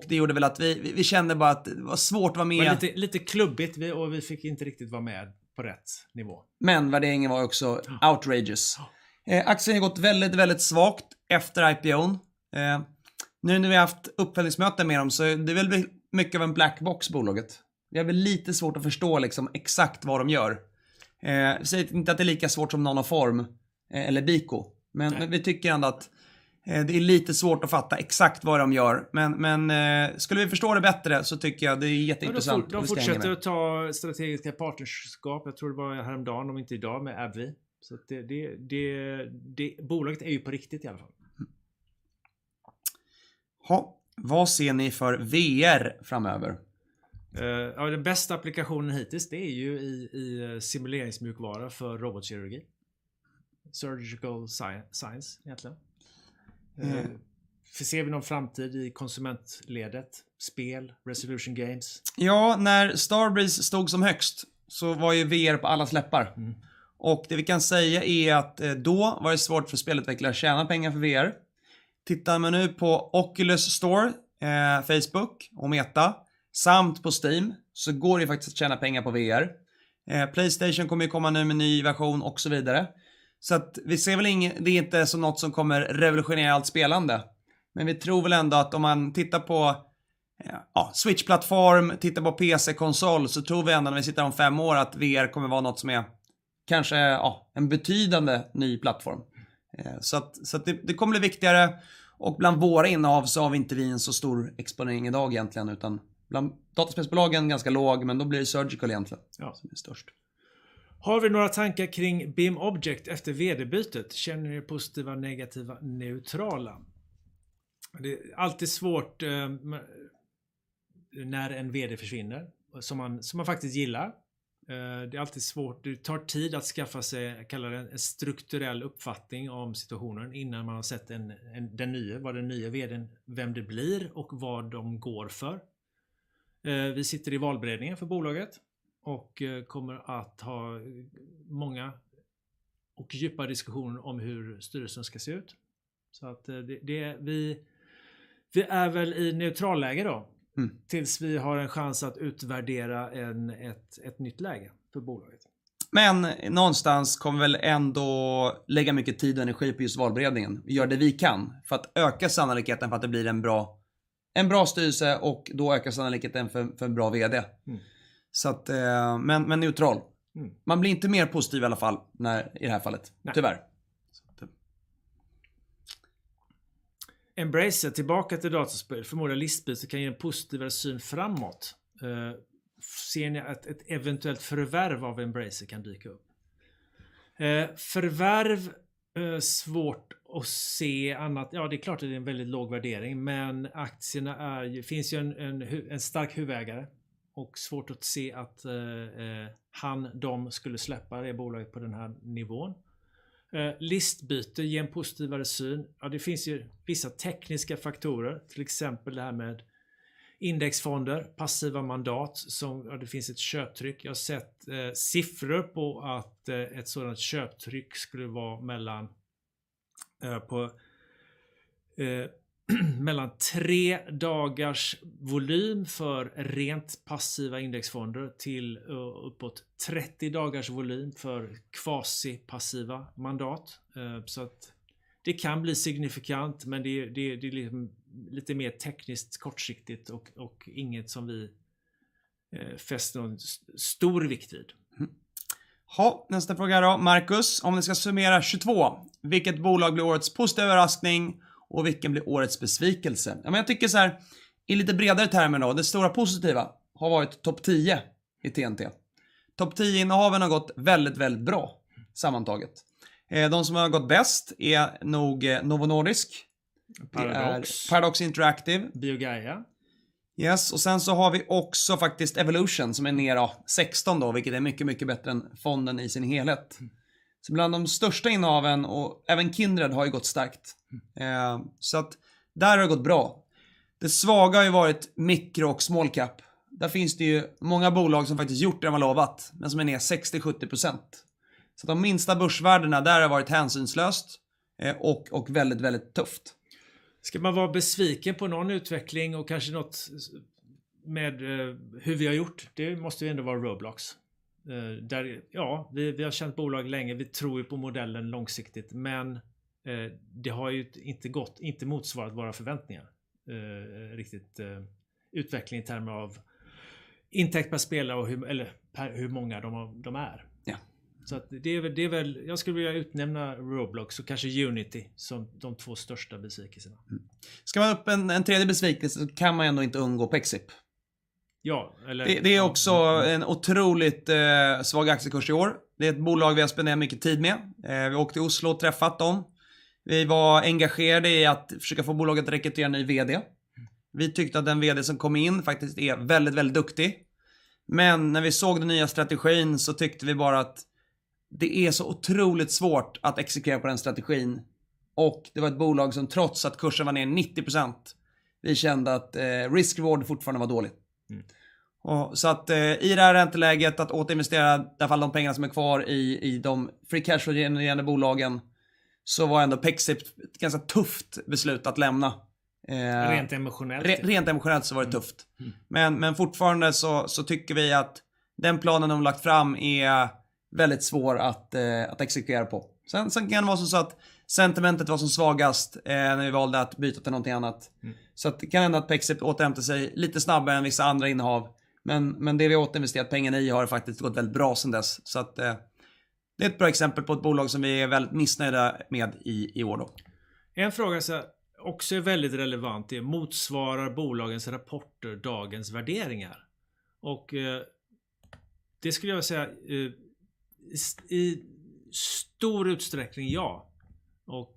Det gjorde väl att vi kände bara att det var svårt att vara med i. Lite klubbigt vi och vi fick inte riktigt vara med på rätt nivå. Värderingen var också outrageous. Aktien har gått väldigt svagt efter IPO. Nu när vi haft uppföljningsmöten med dem så det är väl mycket av en black box bolaget. Vi har väl lite svårt att förstå liksom exakt vad de gör. Jag säger inte att det är lika svårt som Nanoform eller BICO, vi tycker ändå att det är lite svårt att fatta exakt vad de gör. Skulle vi förstå det bättre så tycker jag det är jätteintressant. De fortsätter att ta strategiska partnerskap. Jag tror det var häromdagen, om inte i dag, med AbbVie. Det bolaget är ju på riktigt i alla fall. Jaha, vad ser ni för VR framöver? Ja den bästa applikationen hittills, det är ju i simuleringsmjukvara för robotkirurgi. Surgical Science egentligen. Ser vi någon framtid i konsumentledet? Spel, Resolution Games? När Starbreeze stod som högst så var ju VR på allas läppar. Det vi kan säga är att då var det svårt för spelutvecklare att tjäna pengar för VR. Tittar man nu på Oculus Store, Facebook och Meta samt på Steam så går det faktiskt att tjäna pengar på VR. PlayStation kommer ju komma nu med ny version och så vidare. Vi ser väl ingen, det är inte som något som kommer revolutionera allt spelande. Vi tror väl ändå att om man tittar på Switch-plattform, tittar på PC-konsol, så tror vi ändå när vi sitter om five år att VR kommer vara något som är kanske en betydande ny plattform. Det kommer bli viktigare och bland våra innehav så har vi inte vi en så stor exponering i dag egentligen, utan bland dataspelsbolagen ganska låg, men då blir det Surgical egentligen som är störst. Har vi några tankar kring BIMobject efter vd-bytet? Känner ni er positiva, negativa, neutrala? Det är alltid svårt när en vd försvinner som man faktiskt gillar. Det är alltid svårt. Det tar tid att skaffa sig, jag kallar det en strukturell uppfattning om situationen innan man har sett en, den nye, vad den nye vd:n, vem det blir och vad de går för. Vi sitter i valberedningen för bolaget och kommer att ha många och djupa diskussioner om hur styrelsen ska se ut. det, vi är väl i neutralläge då tills vi har en chans att utvärdera en, ett nytt läge för bolaget. Någonstans kommer väl ändå lägga mycket tid och energi på just valberedningen. Vi gör det vi kan för att öka sannolikheten för att det blir en bra styrelse då ökar sannolikheten för en bra vd. Men neutral. Man blir inte mer positiv i alla fall när, i det här fallet. Tyvärr. Embracer, tillbaka till dataspel. Förmodligen listbyte som kan ge en positivare syn framåt. Ser ni att ett eventuellt förvärv av Embracer kan dyka upp? Förvärv, svårt att se annat. Det är klart att det är en väldigt låg värdering, men aktierna är ju, finns ju en stark huvudägare och svårt att se att han/de skulle släppa det bolaget på den här nivån. Listbyte ger en positivare syn. Det finns ju vissa tekniska faktorer, till exempel det här med indexfonder, passiva mandat som det finns ett köptryck. Jag har sett siffror på att ett sådant köptryck skulle vara mellan 3 dagars volym för rent passiva indexfonder till uppåt 30 dagars volym för kvasipassiva mandat. Att det kan bli signifikant, men det är lite mer tekniskt, kortsiktigt och inget som vi fäster någon stor vikt vid. Jaha, nästa fråga då Marcus, om vi ska summera 2022. Vilket bolag blir årets positiva överraskning och vilken blir årets besvikelse? Jag tycker såhär i lite bredare termer då, det stora positiva har varit topp 10 i TNT. Topp 10-innehaven har gått väldigt bra sammantaget. De som har gått bäst är nog Novo Nordisk- Paradox ...Paradox Interactive. Biogaia. Yes och sen så har vi också faktiskt Evolution som är nere 16 då, vilket är mycket bättre än fonden i sin helhet. Bland de största innehaven och även Kindred har ju gått starkt. Där har det gått bra. Det svaga har ju varit micro och small cap. Där finns det ju många bolag som faktiskt gjort det man lovat, men som är ner 60%, 70%. De minsta börsvärdena där har varit hänsynslöst och väldigt tufft. Ska man vara besviken på någon utveckling och kanske något, med hur vi har gjort? Det måste ju ändå vara Roblox. Där, ja, vi har känt bolag länge. Vi tror ju på modellen långsiktigt, men det har ju inte gått, inte motsvarat våra förväntningar, riktigt. Utveckling i termer av intäkt per spelare och hur, eller per hur många de är. Ja. det är väl, jag skulle vilja utnämna Roblox och kanske Unity som de två största besvikelserna. Ska man ha upp en tredje besvikelse kan man ändå inte undgå Pexip. Ja, eller Det är också en otroligt svag aktiekurs i år. Det är ett bolag vi har spenderat mycket tid med. Vi åkte till Oslo och träffat dem. Vi var engagerade i att försöka få bolaget att rekrytera en ny VD. Vi tyckte att den VD som kom in faktiskt är väldigt duktig. När vi såg den nya strategin så tyckte vi bara att det är så otroligt svårt att exekvera på den strategin. Det var ett bolag som trots att kursen var ner 90%, vi kände att risk reward fortfarande var dålig. Så att i det här ränteläget att återinvestera i alla fall de pengar som är kvar i de free cash flow-genererande bolagen, så var ändå Pexip ett ganska tufft beslut att lämna. Rent emotionellt. Rent emotionellt så var det tufft. Fortfarande tycker vi att den planen de har lagt fram är väldigt svår att exekvera på. Kan det vara som så att sentimentet var som svagast när vi valde att byta till någonting annat. Det kan hända att Pexip återhämtar sig lite snabbare än vissa andra innehav. Det vi har återinvesterat pengarna i har faktiskt gått väldigt bra sedan dess. Det är ett bra exempel på ett bolag som vi är väldigt missnöjda med i år då. En fråga som också är väldigt relevant, det är: Motsvarar bolagens rapporter dagens värderingar? det skulle jag säga, i stor utsträckning, ja.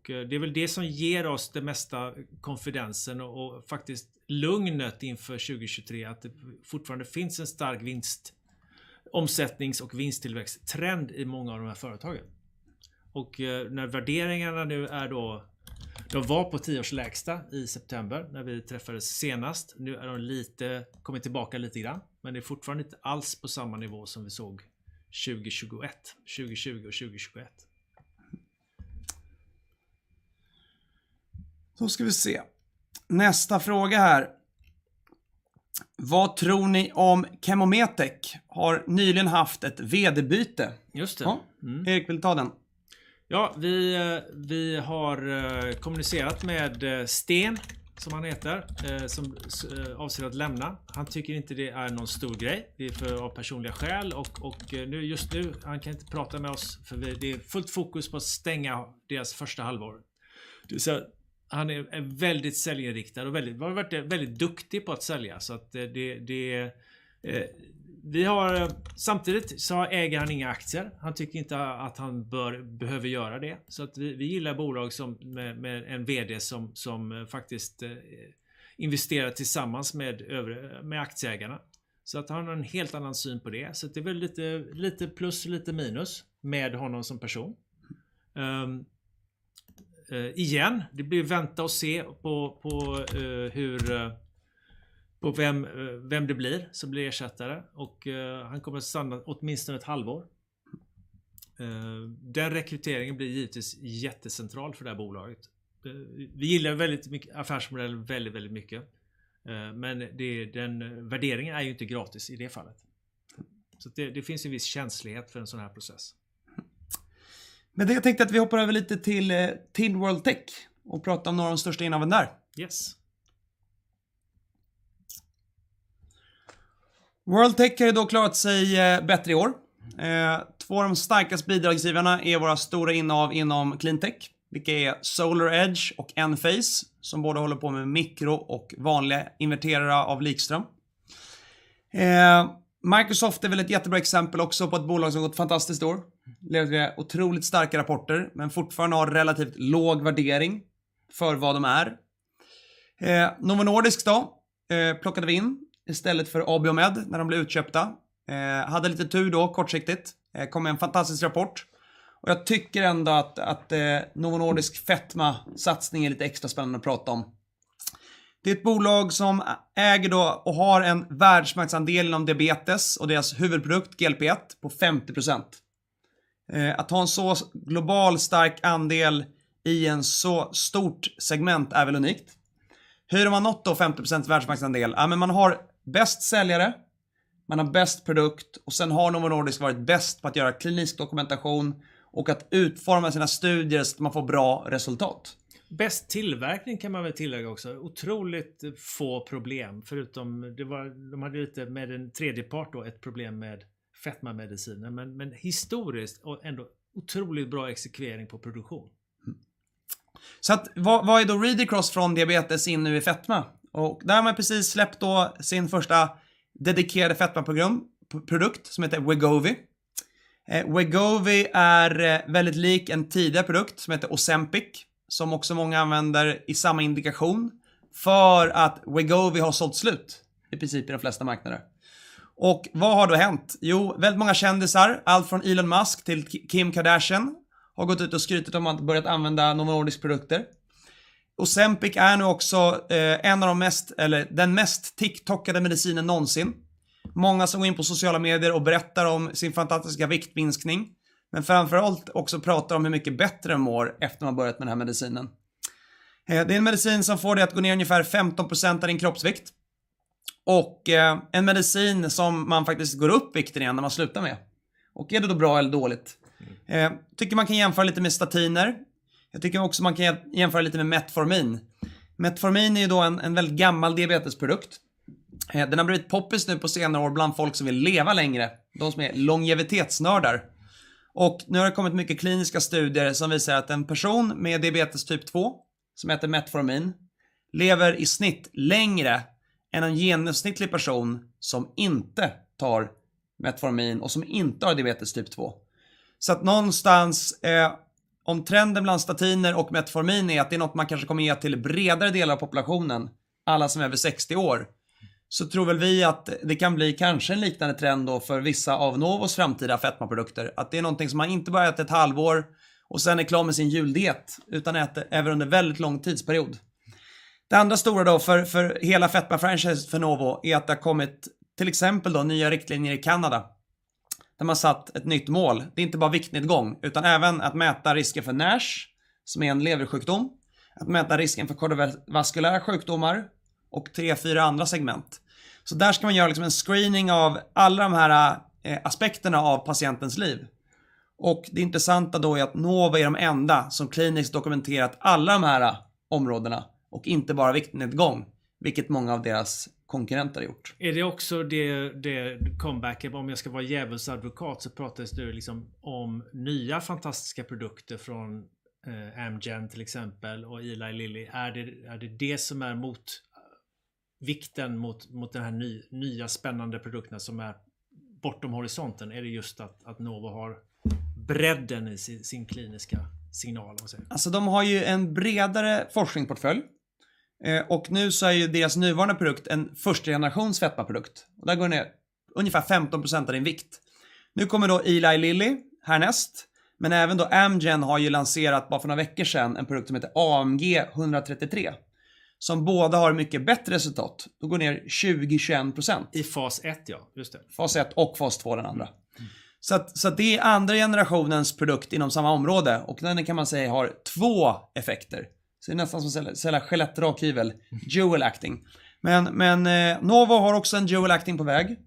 det är väl det som ger oss det mesta konfidensen och faktiskt lugnet inför 2023. Att det fortfarande finns en stark vinst-, omsättnings- och vinsttillväxttrend i många av de här företagen. när värderingarna nu är då, de var på 10-års lägsta i september när vi träffades senast. Nu är de kommit tillbaka lite grann, men det är fortfarande inte alls på samma nivå som vi såg 2021, 2020, and 2021. Då ska vi se. Nästa fråga här: Vad tror ni om ChemoMetec? Har nyligen haft ett VD-byte. Just det. Erik, vill du ta den? Vi har kommunicerat med Sten, som han heter, som avser att lämna. Han tycker inte det är någon stor grej. Det är av personliga skäl och nu just nu, han kan inte prata med oss för det är fullt fokus på att stänga deras första halvår. Han är väldigt säljinriktad och har varit väldigt duktig på att sälja. Det vi har. Han äger inga aktier. Han tycker inte att han behöver göra det. Vi gillar bolag som med en VD som faktiskt investerar tillsammans med aktieägarna. Han har en helt annan syn på det. Det är väl lite plus och lite minus med honom som person. Igen, det blir vänta och se på hur, på vem det blir som blir ersättare och han kommer stanna åtminstone ett halvår. Den rekryteringen blir givetvis jättecentral för det här bolaget. Vi gillar väldigt mycket affärsmodellen väldigt mycket, men den värderingen är ju inte gratis i det fallet. Det finns en viss känslighet för en sådan här process. Det jag tänkte att vi hoppar över lite till TIN World Tech och pratar om några av de största innehaven där. Yes. World Tech har då klarat sig bättre i år. Två av de starkaste bidragsgivarna är våra stora innehav inom Cleantech, vilket är SolarEdge och Enphase som både håller på med micro och vanliga inverterare av likström. Microsoft är väl ett jättebra exempel också på ett bolag som har gått fantastiskt i år. Levererar otroligt starka rapporter men fortfarande har relativt låg värdering för vad de är. Novo Nordisk då, plockade vi in istället för Abiomed när de blev utköpta. Hade lite tur då kortsiktigt. Kom med en fantastisk rapport och jag tycker ändå att Novo Nordisk fetmasatsning är lite extra spännande att prata om. Det är ett bolag som äger då och har en världsmarknadsandel inom diabetes och deras huvudprodukt GLP1 på 50%. Att ha en så global stark andel i en så stort segment är väl unikt. Hur har man nått då 50% världsmarknadsandel? Ja men man har bäst säljare, man har bäst produkt och sen har Novo Nordisk varit bäst på att göra klinisk dokumentation och att utforma sina studier så att man får bra resultat. Bäst tillverkning kan man väl tillägga också. Otroligt få problem. Förutom det var, de hade lite med en tredjepart då ett problem med fetmamedicinen, men historiskt och ändå otroligt bra exekvering på produktion. Vad är då read across från diabetes in nu i fetma? Där har man precis släppt då sin första dedikerade fetmaprogram, produkt som heter Wegovy. Wegovy är väldigt lik en tidigare produkt som heter Ozempic, som också många använder i samma indikation för att Wegovy har sålt slut i princip i de flesta marknader. Vad har då hänt? Jo, väldigt många kändisar, allt från Elon Musk till Kim Kardashian har gått ut och skrutit om att de börjat använda Novo Nordisks produkter. Ozempic är nu också en av de mest eller den mest tiktokade medicinen någonsin. Många som går in på sociala medier och berättar om sin fantastiska viktminskning, men framför allt också pratar om hur mycket bättre de mår efter man börjat med den här medicinen. Det är en medicin som får det att gå ner ungefär 15% av din kroppsvikt och en medicin som man faktiskt går upp i vikt igen när man slutar med. Är det då bra eller dåligt? Tycker man kan jämföra lite med statiner. Jag tycker också man kan jämföra lite med Metformin. Metformin är ju då en väldigt gammal diabetesprodukt. Den har blivit poppis nu på senare år bland folk som vill leva längre, de som är longevitetsnördar. Nu har det kommit mycket kliniska studier som visar att en person med diabetes type 2 som äter Metformin lever i snitt längre än en genomsnittlig person som inte tar Metformin och som inte har diabetes type 2. Någonstans, om trenden bland statiner och metformin är att det är något man kanske kommer ge till bredare delar av populationen, alla som är över 60 år, så tror väl vi att det kan bli kanske en liknande trend då för vissa av Novo's framtida fetmaprodukter. Att det är någonting som man inte bara äter ett halvår och sen är klar med sin juldiet, utan äter även under väldigt lång tidsperiod. Det andra stora för hela fetmafranchisen för Novo är att det har kommit till exempel då nya riktlinjer i Kanada, där man satt ett nytt mål. Det är inte bara viktnedgång, utan även att mäta risken för NASH, som är en leversjukdom, att mäta risken för kordervaskulära sjukdomar och tre, fyra andra segment. Där ska man göra liksom en screening av alla de här aspekterna av patientens liv. Det intressanta då är att Novo är de enda som kliniskt dokumenterat alla de här områdena och inte bara viktnedgång, vilket många av deras konkurrenter har gjort. Är det också det comebacket? Om jag ska vara djävuls advokat så pratas det ju liksom om nya fantastiska produkter från Amgen till exempel och Eli Lilly. Är det, är det det som är motvikten mot de här nya spännande produkterna som är bortom horisonten? Är det just att Novo har bredden i sin kliniska signal? Alltså de har ju en bredare forskningsportfölj. Och nu så är ju deras nuvarande produkt en förstegenerations fetmaprodukt och där går du ner ungefär 15% av din vikt. Nu kommer då Eli Lilly härnäst, men även då Amgen har ju lanserat bara för några veckor sedan en produkt som heter AMG 133, som båda har mycket bättre resultat. Då går du ner 20-21%. In phase I, ja, just det. fas 1 och fas 2 den andra. Det är 2 generationens produkt inom samma område och den kan man säga har 2 effekter. Det är nästan som sälja skelett och dragkivel, dual acting. Novo har också en dual acting på väg,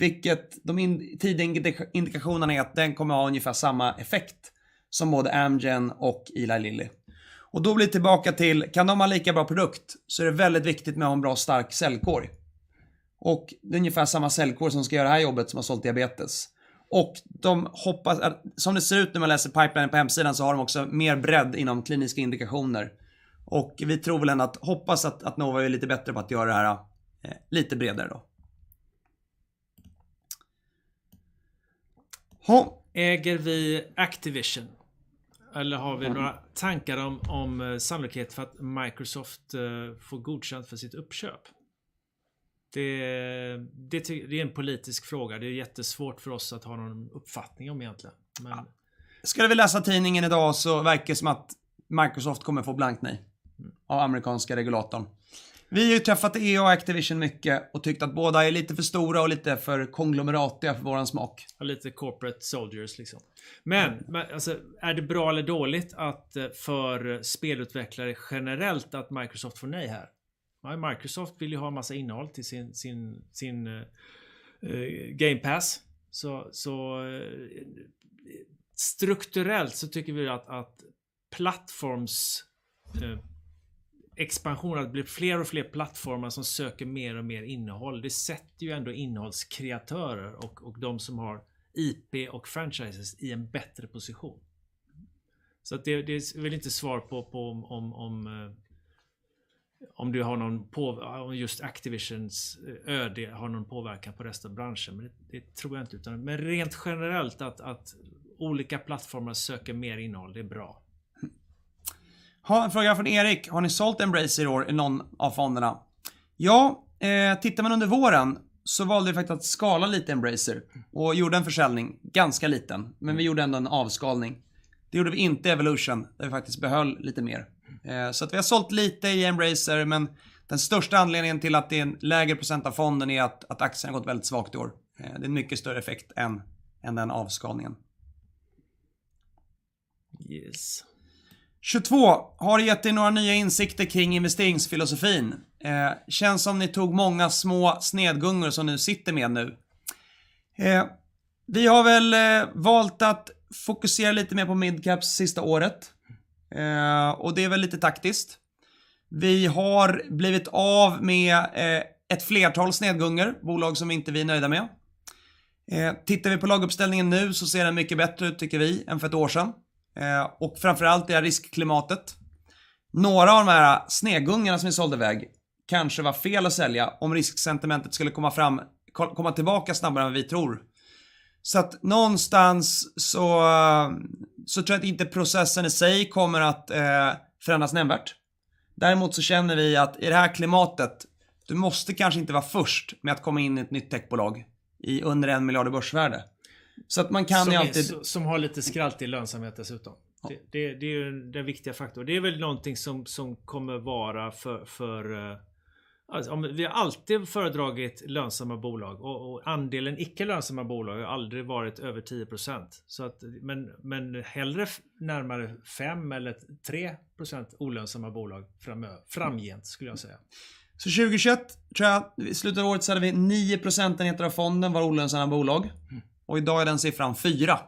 vilket de tidiga indikationerna är att den kommer att ha ungefär samma effekt som både Amgen och Eli Lilly. Då blir det tillbaka till, kan de ha lika bra produkt? Det är väldigt viktigt med att ha en bra stark säljkår. Det är ungefär samma säljkår som ska göra det här jobbet som har sålt diabetes. De hoppas att, som det ser ut när man läser pipeline på hemsidan så har de också mer bredd inom kliniska indikationer. Vi tror väl ändå att, hoppas att Novo är lite bättre på att göra det här, lite bredare då. Jaha. Äger vi Activision? Har vi några tankar om sannolikhet för att Microsoft får godkänt för sitt uppköp? Det är en politisk fråga. Det är jättesvårt för oss att ha någon uppfattning om egentligen. Skulle vi läsa tidningen i dag så verkar det som att Microsoft kommer att få blankt nej av amerikanska regulatorn. Vi har ju träffat EA och Activision mycket och tyckt att båda är lite för stora och lite för konglomeratia för vår smak. Ja, lite corporate soldiers liksom. Men alltså är det bra eller dåligt att för spelutvecklare generellt att Microsoft får nej här? Microsoft vill ju ha en massa innehåll till sin, sin Game Pass. Strukturellt så tycker vi att plattforms-expansionen att det blir fler och fler plattformar som söker mer och mer innehåll. Det sätter ju ändå innehållskreatörer och de som har IP och franchises i en bättre position. Att det är väl inte svar på om du har någon Om just Activision's öde har någon påverkan på resten av branschen. Det tror jag inte utan. Rent generellt att olika plattformar söker mer innehåll, det är bra. En fråga från Erik: Har ni sålt Embracer i år i någon av fonderna? Tittar man under våren så valde vi faktiskt att skala lite Embracer och gjorde en försäljning, ganska liten, men vi gjorde ändå en avskalning. Det gjorde vi inte Evolution, där vi faktiskt behöll lite mer. Att vi har sålt lite i Embracer, men den största anledningen till att det är en lägre % av fonden är att aktien har gått väldigt svagt i år. Det är en mycket större effekt än den avskalningen. Yes. Har det gett er några nya insikter kring investeringsfilosofin? Känns som ni tog många små snedgungor som ni sitter med nu. Vi har väl valt att fokusera lite mer på mid-caps sista året. Och det är väl lite taktiskt. Vi har blivit av med ett flertal snedgungor, bolag som inte vi är nöjda med. Tittar vi på laguppställningen nu så ser den mycket bättre ut tycker vi än för ett år sen. Framför allt det här riskklimatet. Några av de här snedgungorna som vi sålde väg kanske var fel att sälja om risksentimentet skulle komma fram, komma tillbaka snabbare än vi tror. Någonstans så tror jag inte processen i sig kommer att förändras nämnvärt. Däremot känner vi att i det här klimatet, du måste kanske inte vara först med att komma in i ett nytt techbolag i under SEK 1 miljard i börsvärde. Man kan alltid- Som har lite skraltig lönsamhet dessutom. Det är den viktiga faktorn. Det är väl någonting som kommer vara för, alltså vi har alltid föredragit lönsamma bolag och andelen icke lönsamma bolag har aldrig varit över 10%. Men hellre närmare 5% eller 3% olönsamma bolag framöver, framgent skulle jag säga. Så 2021 tror jag i slutet av året så hade vi nio procentenheter av fonden var olönsamma bolag och i dag är den siffran fyra.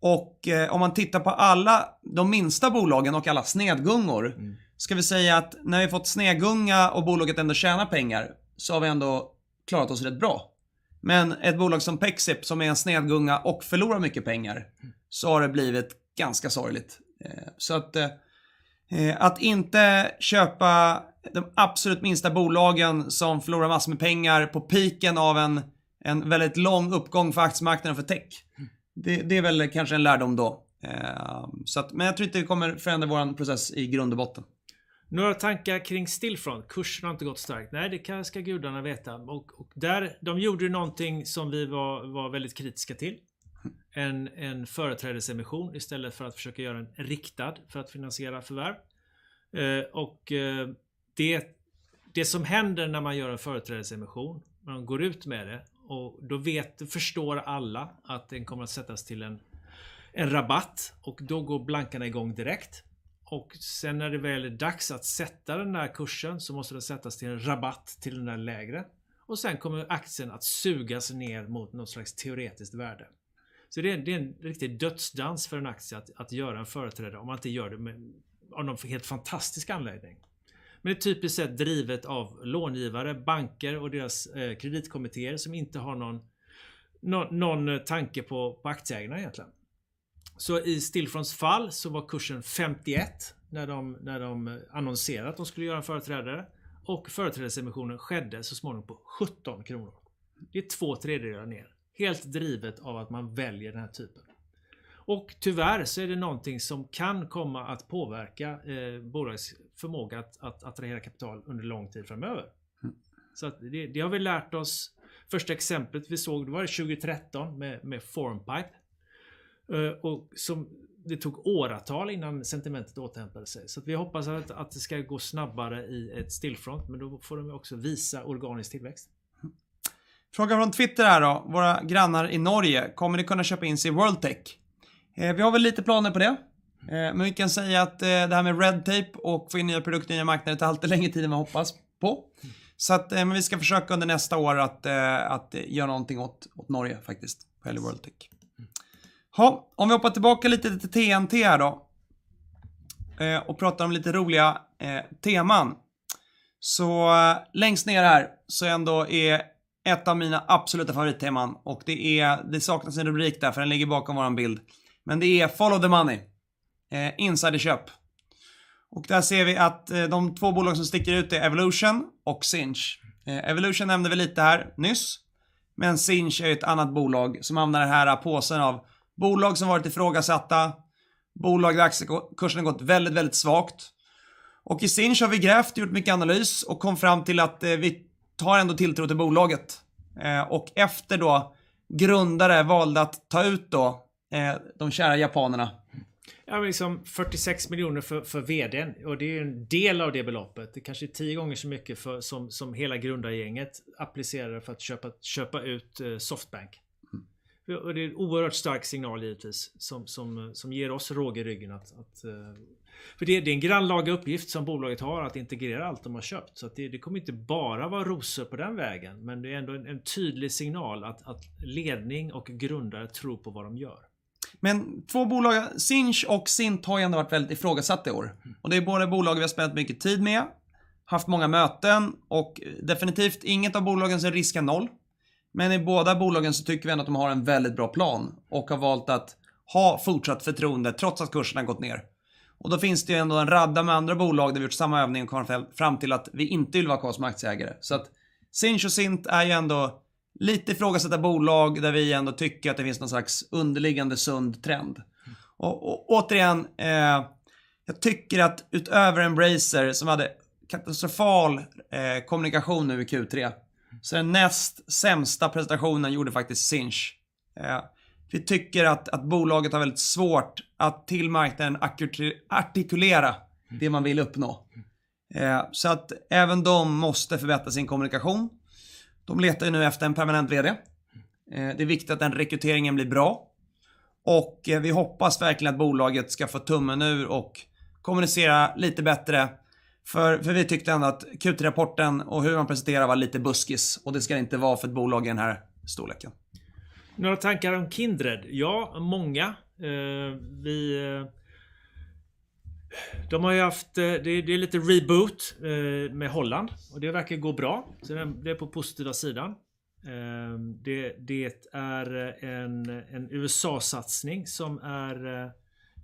Och om man tittar på alla de minsta bolagen och kalla snedgungor, ska vi säga att när vi fått snedgunga och bolaget ändå tjänar pengar så har vi ändå klarat oss rätt bra. Men ett bolag som Pexip, som är en snedgunga och förlorar mycket pengar, så har det blivit ganska sorgligt. Äh, så att, att inte köpa de absolut minsta bolagen som förlorar massor med pengar på peaken av en, en väldigt lång uppgång för aktiemarknaden för tech. Det, det är väl kanske en lärdom då. Äh, så att, men jag tror inte det kommer förändra vår process i grund och botten. Några tankar kring Stillfront. Kursen har inte gått starkt. Nej, det ska gudarna veta. Där, de gjorde någonting som vi var väldigt kritiska till. En företrädesemission istället för att försöka göra en riktad för att finansiera förvärv. Det som händer när man gör en företrädesemission, man går ut med det och då vet, förstår alla att den kommer att sättas till en rabatt och då går blankarna i gång direkt. Sen när det väl är dags att sätta den där kursen så måste den sättas till en rabatt till den där lägre sen kommer aktien att sugas ner mot något slags teoretiskt värde. Det är en riktig dödsdans för en aktie att göra en företräde om man inte gör det av någon helt fantastisk anledning. Det är typiskt sett drivet av långivare, banker och deras kreditkommittéer som inte har någon tanke på aktieägarna egentligen. I Stillfronts fall så var kursen 51 när de annonserade att de skulle göra en företrädare och företrädesemissionen skedde så småningom på 17 SEK. Det är två tredjedelar ner, helt drivet av att man väljer den här typen. Tyvärr så är det någonting som kan komma att påverka bolagets förmåga att attrahera kapital under lång tid framöver. Det har vi lärt oss. Första exemplet vi såg, det var 2013 med Formpipe. Som det tog åratal innan sentimentet återhämtade sig. Vi hoppas att det ska gå snabbare i ett Stillfront, men då får de också visa organisk tillväxt. Fråga från Twitter här då. Våra grannar i Norge: Kommer ni kunna köpa in sig i World Tech? vi har väl lite planer på det, men vi kan säga att det här med red tape och få in nya produkter in i en marknad tar alltid längre tid än man hoppas på. men vi ska försöka under nästa år att göra någonting åt Norge faktiskt med World Tech. Jaha, om vi hoppar tillbaka lite till TNT här då, och pratar om lite roliga teman. längst ner här så ändå är ett av mina absoluta favoritteman och det är, det saknas en rubrik där för den ligger bakom vår bild. det är follow the money, insiderköp. där ser vi att de två bolag som sticker ut är Evolution och Sinch. Evolution nämnde vi lite här nyss. Sinch är ju ett annat bolag som hamnar i den här påsen av bolag som varit ifrågasatta, bolag där aktiekursen har gått väldigt svagt. I Sinch har vi grävt, gjort mycket analys och kom fram till att vi har ändå tilltro till bolaget. Efter då grundare valde att ta ut då, de kära japanerna. Men liksom SEK 46 miljoner för vd:n och det är ju en del av det beloppet. Det kanske är 10 gånger så mycket för som hela grundargänget applicerade för att köpa ut Softbank. Det är en oerhört stark signal givetvis som ger oss råg i ryggen att för det är en grannlaga uppgift som bolaget har att integrera allt de har köpt. Att det kommer inte bara vara rosor på den vägen, men det är ändå en tydlig signal att ledning och grundare tror på vad de gör Två bolag, Sinch och Sint har ju ändå varit väldigt ifrågasatt i år. Det är både bolag vi har spendat mycket tid med, haft många möten och definitivt inget av bolagen så är risken noll. I båda bolagen så tycker vi ändå att de har en väldigt bra plan och har valt att ha fortsatt förtroende trots att kurserna har gått ner. Då finns det ju ändå en radda med andra bolag där vi har gjort samma övning och kom fram till att vi inte vill vara kostnadsaktieägare. Sinch och Sint är ju ändå lite ifrågasatta bolag där vi ändå tycker att det finns någon slags underliggande sund trend. Återigen, jag tycker att utöver Embracer som hade katastrofal kommunikation nu i Q3, så är den näst sämsta presentationen gjorde faktiskt Sinch. Vi tycker att bolaget har väldigt svårt att till marknaden artikulera det man vill uppnå. Även de måste förbättra sin kommunikation. De letar ju nu efter en permanent VD. Det är viktigt att den rekryteringen blir bra. Vi hoppas verkligen att bolaget ska få tummen ur och kommunicera lite bättre. Vi tyckte ändå att Q3-rapporten och hur man presenterar var lite buskis och det ska inte vara för ett bolag i den här storleken. Några tankar om Kindred? Ja, många. De har ju haft, det är lite reboot med Holland och det verkar gå bra. Det är på positiva sidan. Det är en USA-satsning som är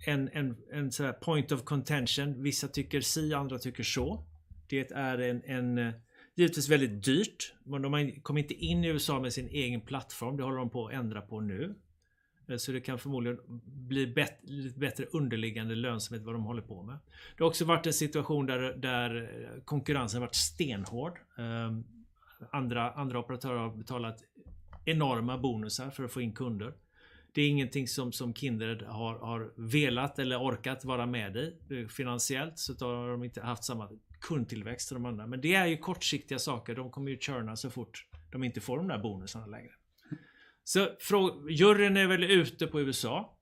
en såhär point of contention. Vissa tycker si, andra tycker så. Det är en givetvis väldigt dyrt, men de kom inte in i USA med sin egen plattform. Det håller de på att ändra på nu. Det kan förmodligen bli lite bättre underliggande lönsamhet vad de håller på med. Det har också varit en situation där konkurrensen har varit stenhård. Andra operatörer har betalat enorma bonusar för att få in kunder. Det är ingenting som Kindred har velat eller orkat vara med i. Finansiellt så har de inte haft samma kundtillväxt som de andra, men det är ju kortsiktiga saker. De kommer ju churn så fort de inte får de där bonusarna längre. Juryn är väl ute på USA.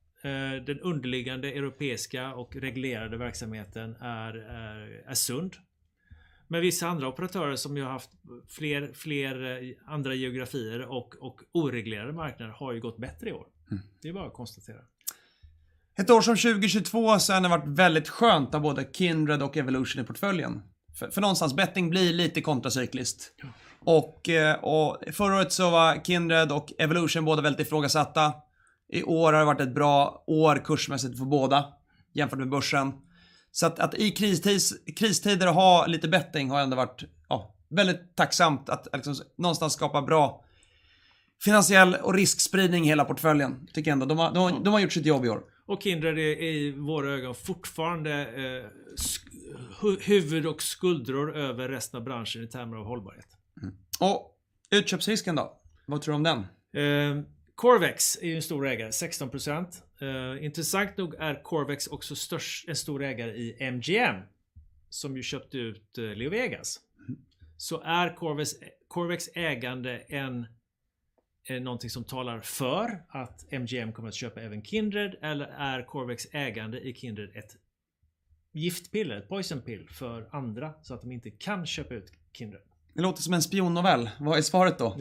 Den underliggande europeiska och reglerade verksamheten är sund. Vissa andra operatörer som ju har haft fler andra geografier och oreglerade marknader har ju gått bättre i år. Det är bara att konstatera. Ett år som 2022 så har det varit väldigt skönt att ha både Kindred och Evolution i portföljen. Någonstans betting blir lite kontracykliskt. Förra året så var Kindred och Evolution både väldigt ifrågasatta. I år har det varit ett bra år kursmässigt för båda jämfört med börsen. I kristider ha lite betting har ändå varit, ja, väldigt tacksamt att liksom någonstans skapa bra finansiella och riskspridning i hela portföljen tycker jag ändå. De har gjort sitt jobb i år. Kindred är i våra ögon fortfarande, huvud och skuldror över resten av branschen i termer av hållbarhet. Utköpsrisken då? Vad tror du om den? Corvex är ju en stor ägare, 16%. Intressant nog är Corvex också en stor ägare i MGM, som ju köpte ut LeoVegas. Är Corvex ägande en någonting som talar för att MGM kommer att köpa även Kindred? Eller är Corvex ägande i Kindred ett giftpiller, ett poison pill för andra så att de inte kan köpa ut Kindred? Det låter som en spionnovell. Vad är svaret då?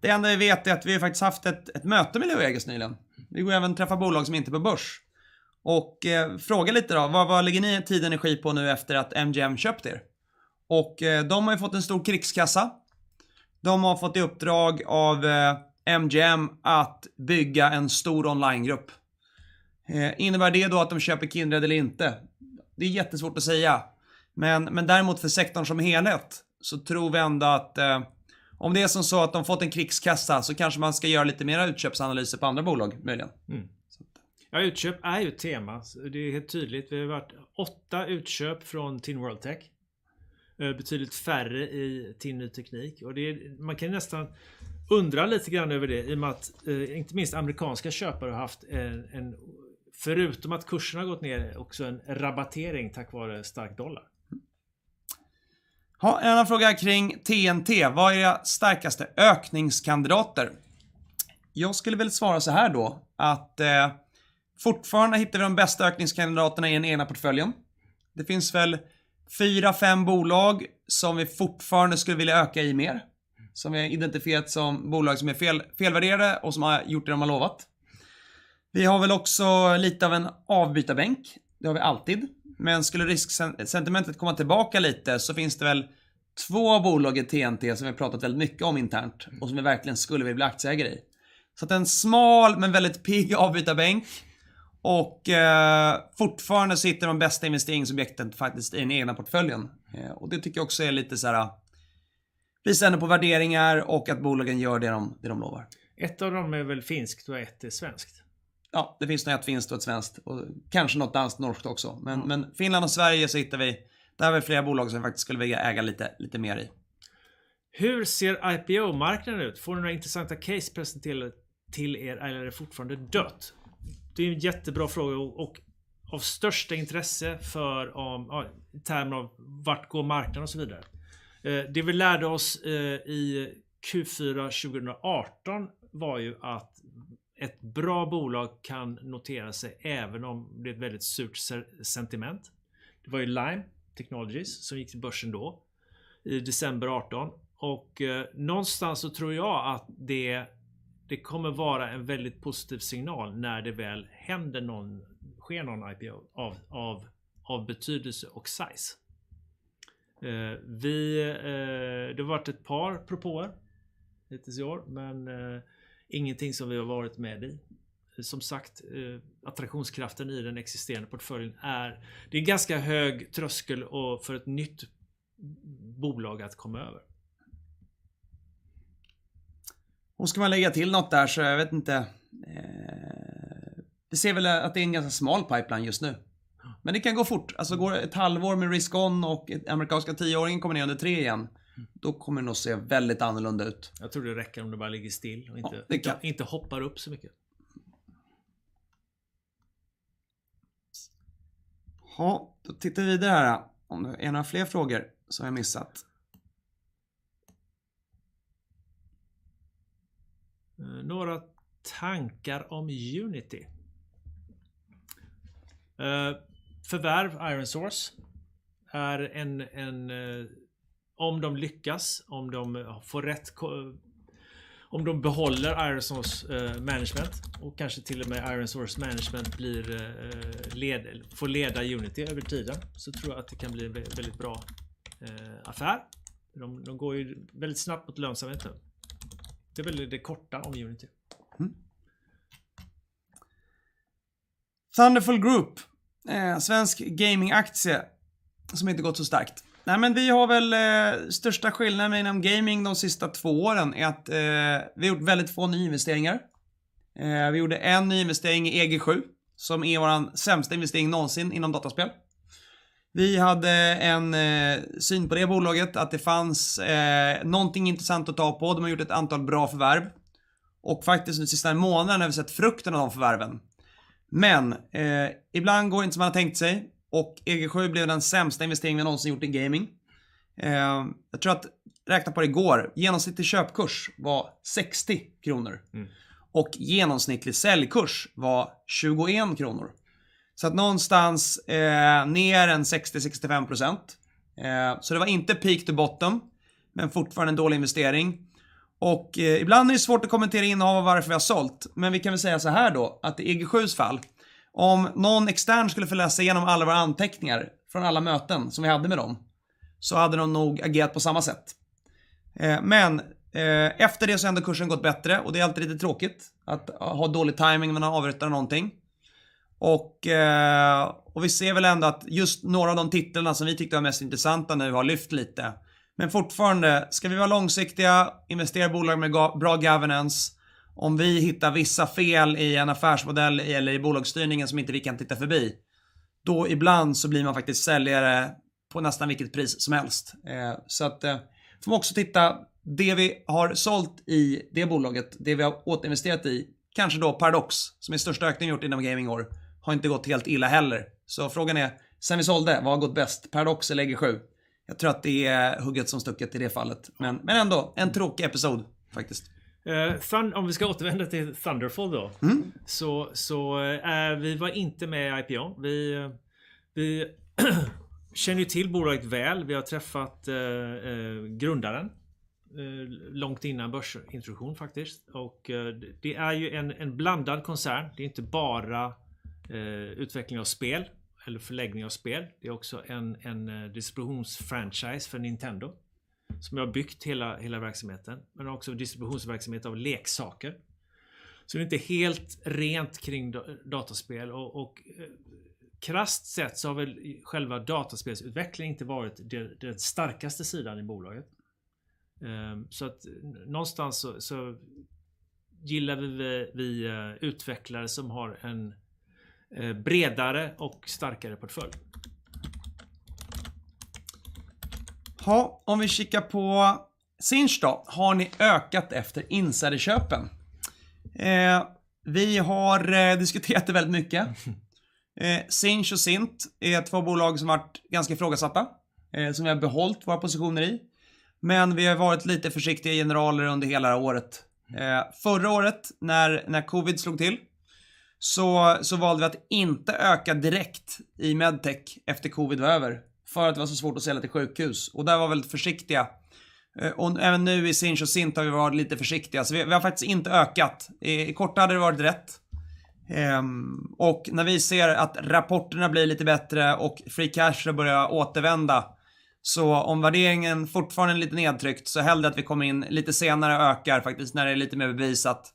Det enda vi vet är att vi har faktiskt haft ett möte med LeoVegas nyligen. Vi går även och träffar bolag som inte är på börs och frågar lite då: "Vad lägger ni tid och energi på nu efter att MGM köpt er?" De har ju fått en stor krigskassa. De har fått i uppdrag av MGM att bygga en stor onlinegrupp. Innebär det då att de köper Kindred eller inte? Det är jättesvårt att säga, men däremot för sektorn som helhet så tror vi ändå att om det är som så att de fått en krigskassa så kanske man ska göra lite mer utköpsanalyser på andra bolag möjligen. Ja, utköp är ju ett tema. Det är helt tydligt. Det har ju varit 8 utköp från TIN World Tech. Betydligt färre i TIN Ny Teknik. Det, man kan ju nästan undra lite grann över det i och med att inte minst amerikanska köpare har haft en, förutom att kurserna har gått ner, också en rabattering tack vare stark dollar. Jaha, en annan fråga kring TNT: Vad är era starkaste ökningskandidater? Jag skulle väl svara såhär då att fortfarande hittar vi de bästa ökningskandidaterna i den egna portföljen. Det finns väl four, five bolag som vi fortfarande skulle vilja öka i mer, som vi har identifierat som bolag som är felvärderade och som har gjort det de har lovat. Vi har väl också lite av en avbytarbänk. Det har vi alltid. Skulle risksentimentet komma tillbaka lite så finns det väl two bolag i TNT som vi pratat väldigt mycket om internt och som vi verkligen skulle vilja vara aktieägare i. En smal men väldigt pigg avbytarbänk och fortfarande sitter de bästa investeringsobjekten faktiskt i den egna portföljen. Det tycker jag också är lite såhär, vi ställer in på värderingar och att bolagen gör det de lovar. Ett av dem är väl finskt och ett är svenskt. Ja, det finns nog ett finskt och ett svenskt och kanske något danskt, norskt också. Finland och Sverige så hittar vi, det har vi flera bolag som vi faktiskt skulle vilja äga lite mer i. Hur ser IPO-marknaden ut? Får ni några intressanta case presenterade till er eller är det fortfarande dött? Det är ju en jättebra fråga och av största intresse för om, ja, i termer av vart går marknaden och så vidare. Det vi lärde oss i Q4 2018 var ju att ett bra bolag kan notera sig även om det är ett väldigt surt sentiment. Det var ju Lime Technologies som gick till börsen då i December 2018. Någonstans så tror jag att det kommer vara en väldigt positiv signal när det väl händer någon, sker någon IPO av betydelse och size. Vi, det har varit ett par IPOs hittills i år, men ingenting som vi har varit med i. Som sagt, attraktionskraften i den existerande portföljen är, det är ganska hög tröskel och för ett nytt bolag att komma över. Ska man lägga till något där så jag vet inte. Vi ser väl att det är en ganska smal pipeline just nu. Det kan gå fort. Går det a half year med risk on och American 10-year kommer ner under 3 igen. Kommer det nog se väldigt annorlunda ut. Jag tror det räcker om det bara ligger still och inte hoppar upp så mycket. Jaha, då tittar vi vidare här då. Om det är några fler frågor som jag har missat. Några tankar om Unity? förvärv ironSource är en, om de lyckas, om de ja får rätt, om de behåller ironSource management och kanske till och med ironSource management blir, leder, får leda Unity över tiden, så tror jag att det kan bli en väldigt bra affär. De går ju väldigt snabbt mot lönsamhet nu. Det är väl det korta om Unity. Thunderful Group, svensk gaming-aktie som inte gått så starkt. Vi har väl största skillnaden inom gaming de sista 2 åren är att vi har gjort väldigt få nyinvesteringar. Vi gjorde en nyinvestering i EG7, som är våran sämsta investering någonsin inom dataspel. Vi hade en syn på det bolaget att det fanns någonting intressant att ta på. De har gjort ett antal bra förvärv och faktiskt den sista månaden har vi sett frukten av de förvärven. Ibland går det inte som man tänkt sig och EG7 blev den sämsta investeringen vi någonsin gjort i gaming. Jag tror att, räknade på det i går, genomsnittlig köpkurs var SEK 60 och genomsnittlig säljkurs var SEK 21. Någonstans, ner en 60-65%. Det var inte peak to bottom, fortfarande en dålig investering. Ibland är det svårt att kommentera inne varför vi har sålt, men vi kan väl säga så här då, att i EG7 fall, om någon extern skulle få läsa igenom alla våra anteckningar från alla möten som vi hade med dem, så hade de nog agerat på samma sätt. Efter det så har ändå kursen gått bättre och det är alltid lite tråkigt att ha dålig timing när man avråder någonting. Vi ser väl ändå att just några av de titlarna som vi tyckte var mest intressanta nu har lyft lite. Fortfarande, ska vi vara långsiktiga, investera i bolag med bra governance. Om vi hittar vissa fel i en affärsmodell eller i bolagsstyrningen som inte vi kan titta förbi, då ibland så blir man faktiskt säljare på nästan vilket pris som helst. Vi får också titta det vi har sålt i det bolaget, det vi har återinvesterat i, kanske då Paradox, som är största ökningen gjort inom gaming i år, har inte gått helt illa heller. Frågan är, sedan vi sålde, vad har gått bäst? Paradox eller EG7? Jag tror att det är hugget som stucket i det fallet, men ändå en tråkig episod faktiskt. Om vi ska återvända till Thunderful då. Vi var inte med i IPO. Vi känner ju till bolaget väl. Vi har träffat grundaren långt innan börsintroduktion faktiskt. Det är ju en blandad koncern. Det är inte bara utveckling av spel eller förläggning av spel. Det är också en distributionsfranchise för Nintendo som har byggt hela verksamheten. De har också distributionsverksamhet av leksaker. Det är inte helt rent kring dataspel. Krasst sett så har väl själva dataspelsutveckling inte varit den starkaste sidan i bolaget. Någonstans så gillar vi utvecklare som har en bredare och starkare portfölj. Jaha, om vi kikar på Sinch då. Har ni ökat efter insiderköpen? Vi har diskuterat det väldigt mycket. Sinch och Sint är två bolag som har varit ganska ifrågasatta, som vi har behållit våra positioner i. Vi har varit lite försiktiga generaler under hela året. Förra året när Covid slog till, så valde vi att inte öka direkt i Medtech efter Covid var över för att det var så svårt att sälja till sjukhus. Där var vi väldigt försiktiga. Även nu i Sinch och Sint har vi varit lite försiktiga. Vi har faktiskt inte ökat. I korta hade det varit rätt. När vi ser att rapporterna blir lite bättre och free cash börjar återvända, så om värderingen fortfarande är lite nedtryckt, så hellre att vi kommer in lite senare och ökar faktiskt när det är lite mer bevisat.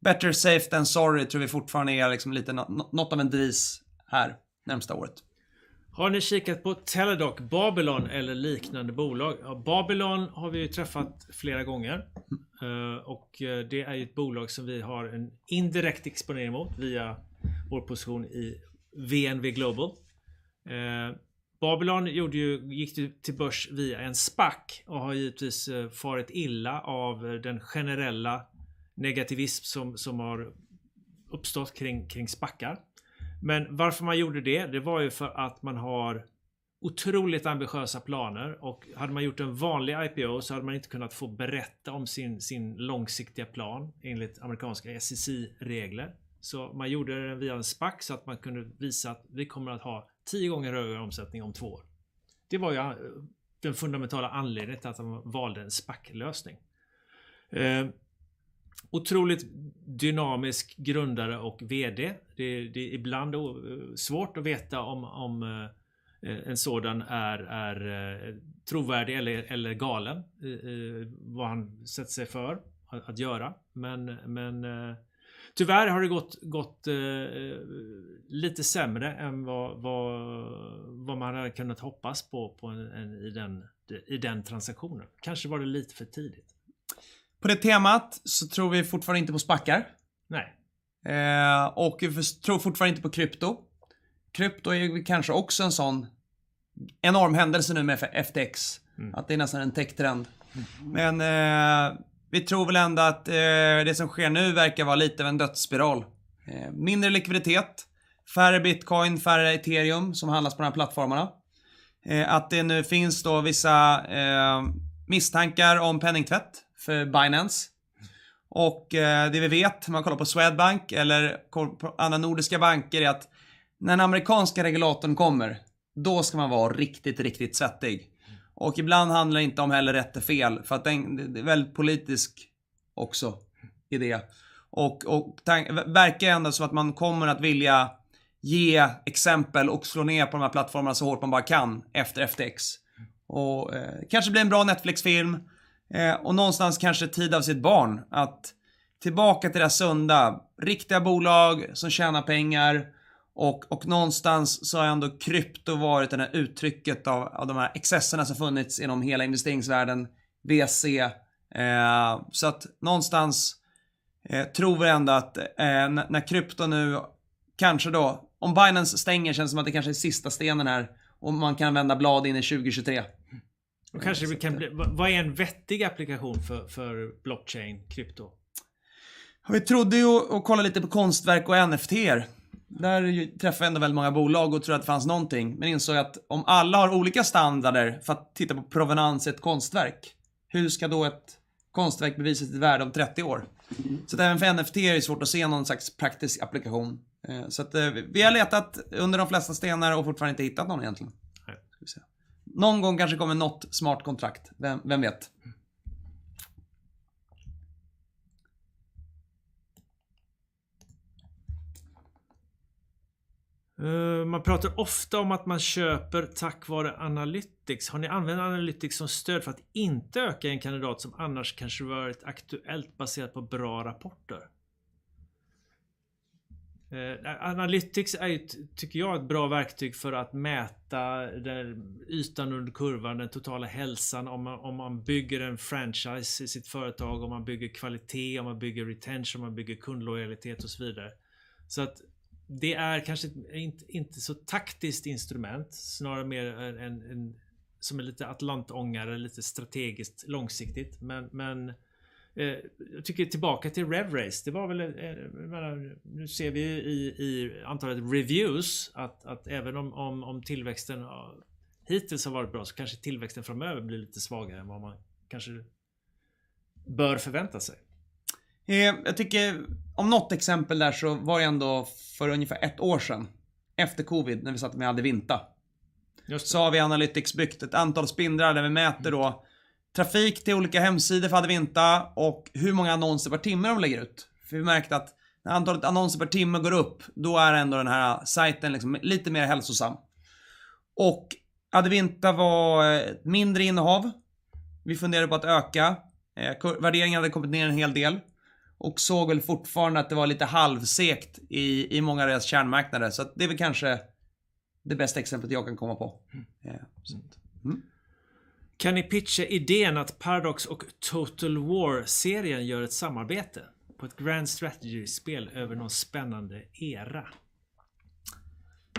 Better safe than sorry tror vi fortfarande är liksom lite något av en devis här närmsta året. Har ni kikat på Teladoc, Babylon eller liknande bolag? Ja, Babylon har vi ju träffat flera gånger, och det är ett bolag som vi har en indirekt exponering mot via vår position i VNV Global. Babylon gjorde ju, gick ju till börs via en SPAC och har givetvis farit illa av den generella negativism som har uppstått kring SPACar. Varför man gjorde det? Det var ju för att man har otroligt ambitiösa planer och hade man gjort en vanlig IPO så hade man inte kunnat få berätta om sin långsiktiga plan enligt amerikanska SEC-regler. Man gjorde det via en SPAC så att man kunde visa att vi kommer att ha 10 gånger rörelse omsättning om 2 år. Det var ju den fundamentala anledningen till att de valde en SPAC-lösning. En otroligt dynamisk grundare och VD. Det ibland svårt att veta om en sådan är trovärdig eller galen i vad han sätter sig för att göra. Tyvärr har det gått lite sämre än vad man hade kunnat hoppas på en i den transaktionen. Kanske var det lite för tidigt. På det temat så tror vi fortfarande inte på SPAC:ar. Nej. Vi tror fortfarande inte på crypto. Crypto är kanske också en sådan enorm händelse nu med FTX att det är nästan en tech trend. Vi tror väl ändå att det som sker nu verkar vara lite av en dödsspiral. Mindre likviditet, färre Bitcoin, färre Ethereum som handlas på de här plattformarna. Det nu finns då vissa misstankar om penningtvätt för Binance. Det vi vet, om man kollar på Swedbank eller kollar på andra nordiska banker är att när den amerikanska regulatorn kommer, då ska man vara riktigt settig. Ibland handlar det inte om heller rätt och fel för att det är väldigt politisk också i det. Det verkar ändå som att man kommer att vilja ge exempel och slå ner på de här plattformarna så hårt man bara kan efter FTX. Kanske blir en bra Netflix-film och någonstans kanske tid av sitt barn att tillbaka till det där sunda, riktiga bolag som tjänar pengar. Någonstans så har ändå krypto varit det där uttrycket av de här excesserna som funnits inom hela investeringsvärlden, VC. Någonstans tror vi ändå att när krypto nu kanske då, om Binance stänger känns det som att det kanske är sista stenen här och man kan vända blad in i 2023. kanske vi kan bli, vad är en vettig applikation för blockchain krypto? Vi trodde ju och kolla lite på konstverk och NFT:er. Där träffar jag ändå väldigt många bolag och trodde att det fanns någonting. Insåg jag att om alla har olika standarder för att titta på provenans i ett konstverk, hur ska då ett konstverk bevisa sitt värde om 30 år? Även för NFT är det svårt att se någon slags praktisk applikation. Vi har letat under de flesta stenar och fortfarande inte hittat någon egentligen. Någon gång kanske kommer något smart kontrakt. Vem vet? Man pratar ofta om att man köper tack vare analytics. Har ni använt analytics som stöd för att inte öka en kandidat som annars kanske varit aktuellt baserat på bra rapporter? Analytics är ju, tycker jag, ett bra verktyg för att mäta den ytan under kurvan, den totala hälsan. Om man bygger en franchise i sitt företag, om man bygger kvalitet, om man bygger retention, om man bygger kundlojalitet och så vidare. Det är kanske inte så taktiskt instrument, snarare mer en, som en lite atlantångare, lite strategiskt långsiktigt. Men jag tycker tillbaka till RevRace. Det var väl, jag menar nu ser vi i antalet reviews att även om tillväxten hittills har varit bra så kanske tillväxten framöver blir lite svagare än vad man kanske bör förvänta sig. Jag tycker om något exempel där så var det ändå för ungefär 1 år sedan efter COVID, när vi satt med Advinta. Vi har i analytics byggt ett antal spindlar där vi mäter då trafik till olika hemsidor för Advinta och hur många annonser per timme de lägger ut. Vi märkte att när antalet annonser per timme går upp, då är ändå den här sajten liksom lite mer hälsosam. Advinta var ett mindre innehav. Vi funderade på att öka. Värderingen hade kommit ner en hel del och såg väl fortfarande att det var lite halvsegt i många av deras kärnmarknader. Det är väl kanske det bästa exemplet jag kan komma på. Kan ni pitcha idén att Paradox och Total War-serien gör ett samarbete på ett grand strategy-spel över någon spännande era?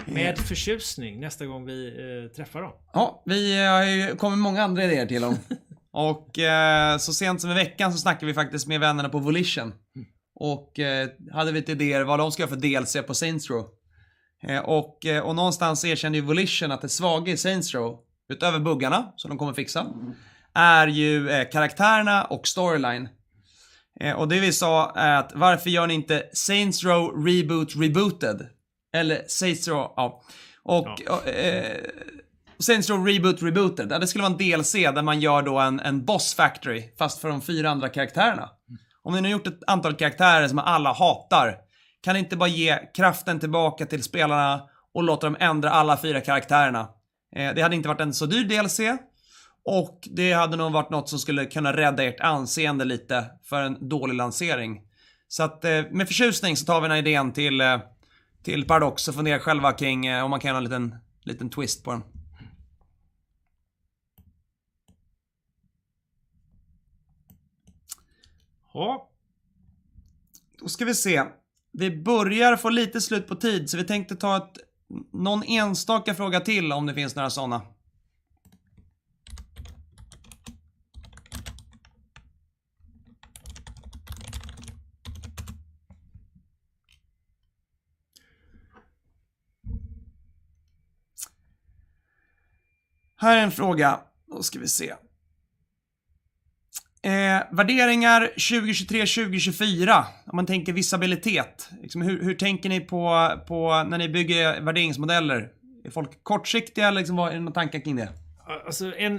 Med förtjusning nästa gång vi träffar dem. Ja, vi har ju kommit många andra idéer till dem. Så sent som i veckan så snackade vi faktiskt med vännerna på Volition och hade lite idéer vad de ska få DLC på Saints Row. Någonstans erkänner ju Volition att det svaga i Saints Row, utöver buggarna som de kommer fixa, är ju karaktärerna och storyline. Det vi sa är att varför gör ni inte Saints Row Reboot Rebooted? Saints Row, ja, och Saints Row Reboot Rebooted. Det skulle vara en DLC där man gör då en boss factory fast för de four andra karaktärerna. Om ni nu gjort ett antal karaktärer som alla hatar, kan ni inte bara ge kraften tillbaka till spelarna och låta dem ändra alla four karaktärerna? Det hade inte varit en så dyr DLC och det hade nog varit något som skulle kunna rädda ert anseende lite för en dålig lansering. Med förtjusning så tar vi den här idén till Paradox och funderar själva kring om man kan göra en liten twist på den. Jaha, då ska vi se. Vi börjar få lite slut på tid, så vi tänkte ta någon enstaka fråga till om det finns några sådana. Här är en fråga. Då ska vi se. Värderingar 2023, 2024. Om man tänker visibilitet. Liksom hur tänker ni på när ni bygger värderingsmodeller? Är folk kortsiktiga liksom? Vad är det för tankar kring det?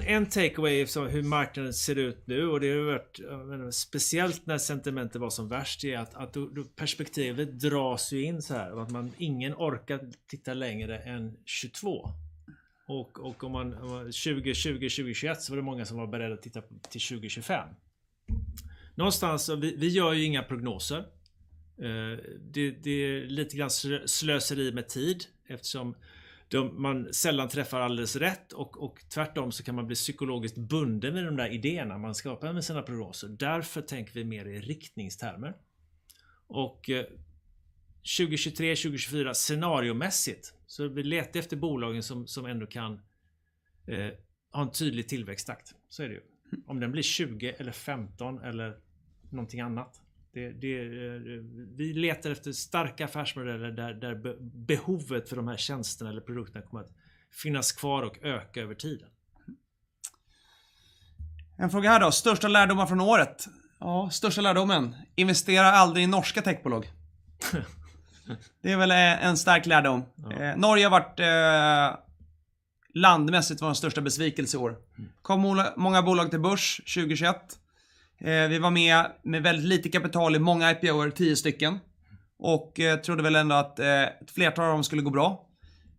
En takeaway av hur marknaden ser ut nu och det har ju varit, jag menar speciellt när sentimentet var som värst är att då perspektivet dras ju in såhär och att man ingen orkar titta längre än 2022. Om man 2021 så var det många som var beredda att titta till 2025. Någonstans, vi gör ju inga prognoser. Det är lite grann slöseri med tid eftersom man sällan träffar alldeles rätt och tvärtom så kan man bli psykologiskt bunden vid de där idéerna man skapar med sina prognoser. Därför tänker vi mer i riktningstermer. 2023, 2024 scenariomässigt, vi letar efter bolagen som ändå kan ha en tydlig tillväxttakt. Så är det ju. Om den blir 20% eller 15% eller någonting annat. Det vi letar efter starka affärsmodeller där behovet för de här tjänsterna eller produkterna kommer att finnas kvar och öka över tiden. En fråga här då. Största lärdomen från året? Ja, största lärdomen. Investera aldrig i norska techbolag. Det är väl en stark lärdom. Norge har varit landmässigt vår största besvikelse i år. Kom många bolag till börs 21. Vi var med med väldigt lite kapital i många IPOer, 10 stycken och trodde väl ändå att ett flertal av dem skulle gå bra.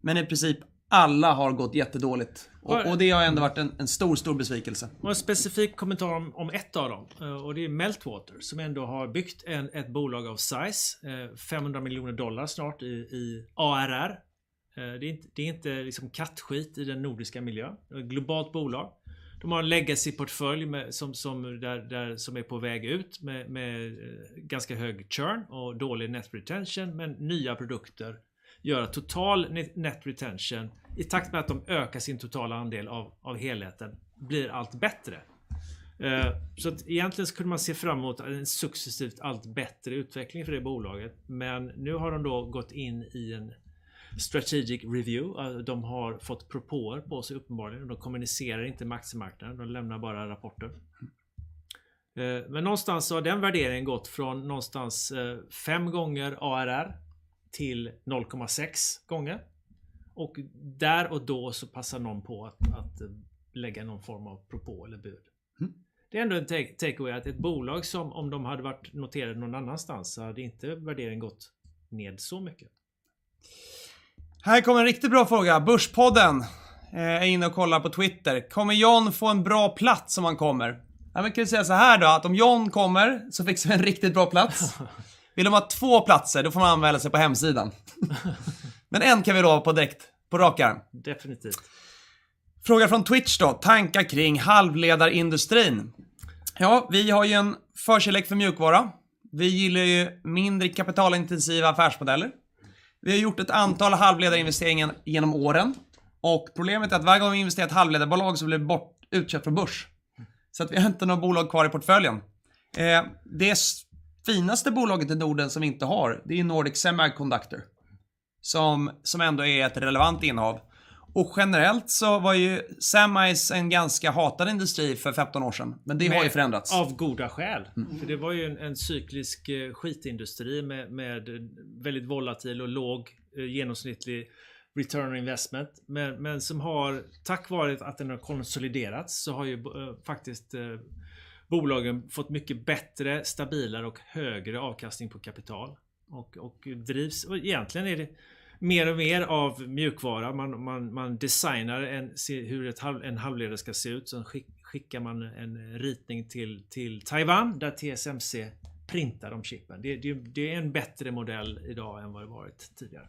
I princip alla har gått jättedåligt och det har ändå varit en stor besvikelse. En specifik kommentar om ett av dem. Det är Meltwater som ändå har byggt ett bolag av size, $500 million snart i ARR. Det är inte liksom kattskit i den nordiska miljön. Globalt bolag. De har en legacy-portfölj med som där som är på väg ut med ganska hög churn och dålig net retention, men nya produkter gör att total net retention i takt med att de ökar sin totala andel av helheten blir allt bättre. Egentligen skulle man se fram emot en successivt allt bättre utveckling för det bolaget, men nu har de då gått in i en strategic review. De har fått propåer på sig uppenbarligen. De kommunicerar inte med aktiemarknaden. De lämnar bara rapporter. Någonstans har den värderingen gått från någonstans 5 gånger ARR till 0.6 gånger. Där och då så passar någon på att lägga någon form av propå eller bud. Det är ändå en takeaway att ett bolag som om de hade varit noterat någon annanstans så hade inte värderingen gått ned så mycket. Här kommer en riktigt bra fråga. Börspodden är inne och kollar på Twitter. Kommer John få en bra plats om han kommer? Vi kan ju säga såhär då att om John kommer så fixar vi en riktigt bra plats. Vill de ha två platser, då får man anmäla sig på hemsidan. En kan vi lova på direkt, på raka armen. Definitivt. Fråga från Twitch då. Tankar kring halvledarindustrin? Vi har ju en förkärlek för mjukvara. Vi gillar ju mindre kapitalintensiva affärsmodeller. Vi har gjort ett antal halvledarinvesteringar igenom åren och problemet är att varje gång vi investerar i ett halvledarbolag så blir det utköpt från börs. Vi har inte något bolag kvar i portföljen. Det finaste bolaget i Norden som vi inte har, det är Nordic Semiconductor, som ändå är ett relevant innehav. Generellt så var ju semis en ganska hatad industri för 15 år sedan, men det har ju förändrats. Av goda skäl. Det var ju en cyklisk skitindustri med väldigt volatil och låg genomsnittlig return on investment. Som har tack vare att den har konsoliderats så har ju faktiskt bolagen fått mycket bättre, stabilare och högre avkastning på kapital och drivs. Egentligen är det mer och mer av mjukvara. Man designar en halvledare ska se ut. Skickar man en ritning till Taiwan där TSMC printar de chippen. Det är en bättre modell i dag än vad det varit tidigare.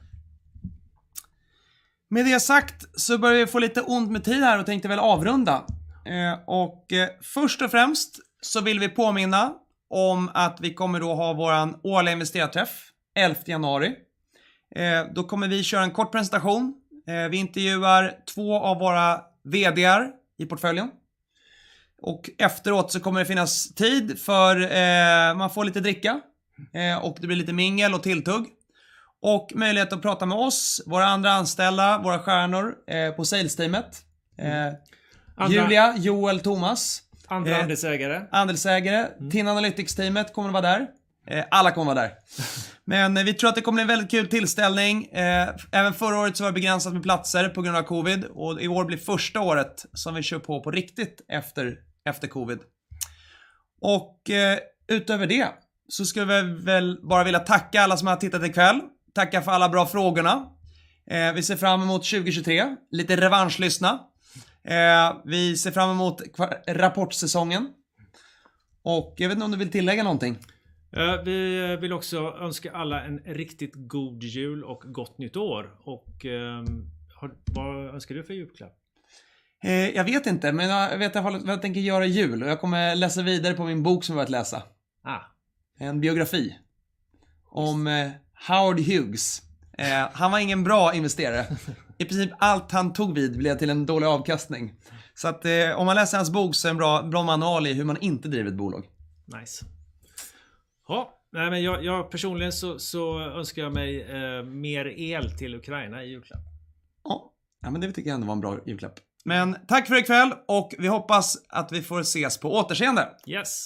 Med det sagt så börjar vi få lite ont med tid här och tänkte väl avrunda. Först och främst så vill vi påminna om att vi kommer då ha våran årliga investerarträff 11th January. Då kommer vi köra en kort presentation. Vi intervjuar 2 av våra vd:ar i portföljen och efteråt så kommer det finnas tid för man får lite dricka, och det blir lite mingel och tilltugg och möjlighet att prata med oss, våra andra anställda, våra stjärnor, på sales teamet. Julia, Joel, Thomas. Andra andelsägare. Andelsägare. TIN Analytics teamet kommer att vara där. Alla kommer vara där. Vi tror att det kommer bli en väldigt kul tillställning. Även förra året så var det begränsat med platser på grund av covid och i år blir första året som vi kör på på riktigt efter covid. Utöver det så skulle vi väl bara vilja tacka alla som har tittat i kväll. Tacka för alla bra frågorna. Vi ser fram emot 2023, lite revanschlystna. Vi ser fram emot rapportsäsongen och jag vet inte om du vill tillägga någonting? Vi vill också önska alla en riktigt god jul och gott nytt år. Har du, vad önskar du för julklapp? Jag vet inte, men jag vet vad jag tänker göra i jul och jag kommer läsa vidare på min bok som jag har börjat läsa. En biografi om Howard Hughes. Han var ingen bra investerare. I princip allt han tog vid blev till en dålig avkastning. Om man läser hans bok så är det en bra manual i hur man inte driver ett bolag. Nice. Ja, nej men jag personligen so önskar jag mig mer el till Ukraina i julklapp. Ja, nej men det tycker jag ändå var en bra julklapp. Tack för i kväll och vi hoppas att vi får ses. På återseende. Yes.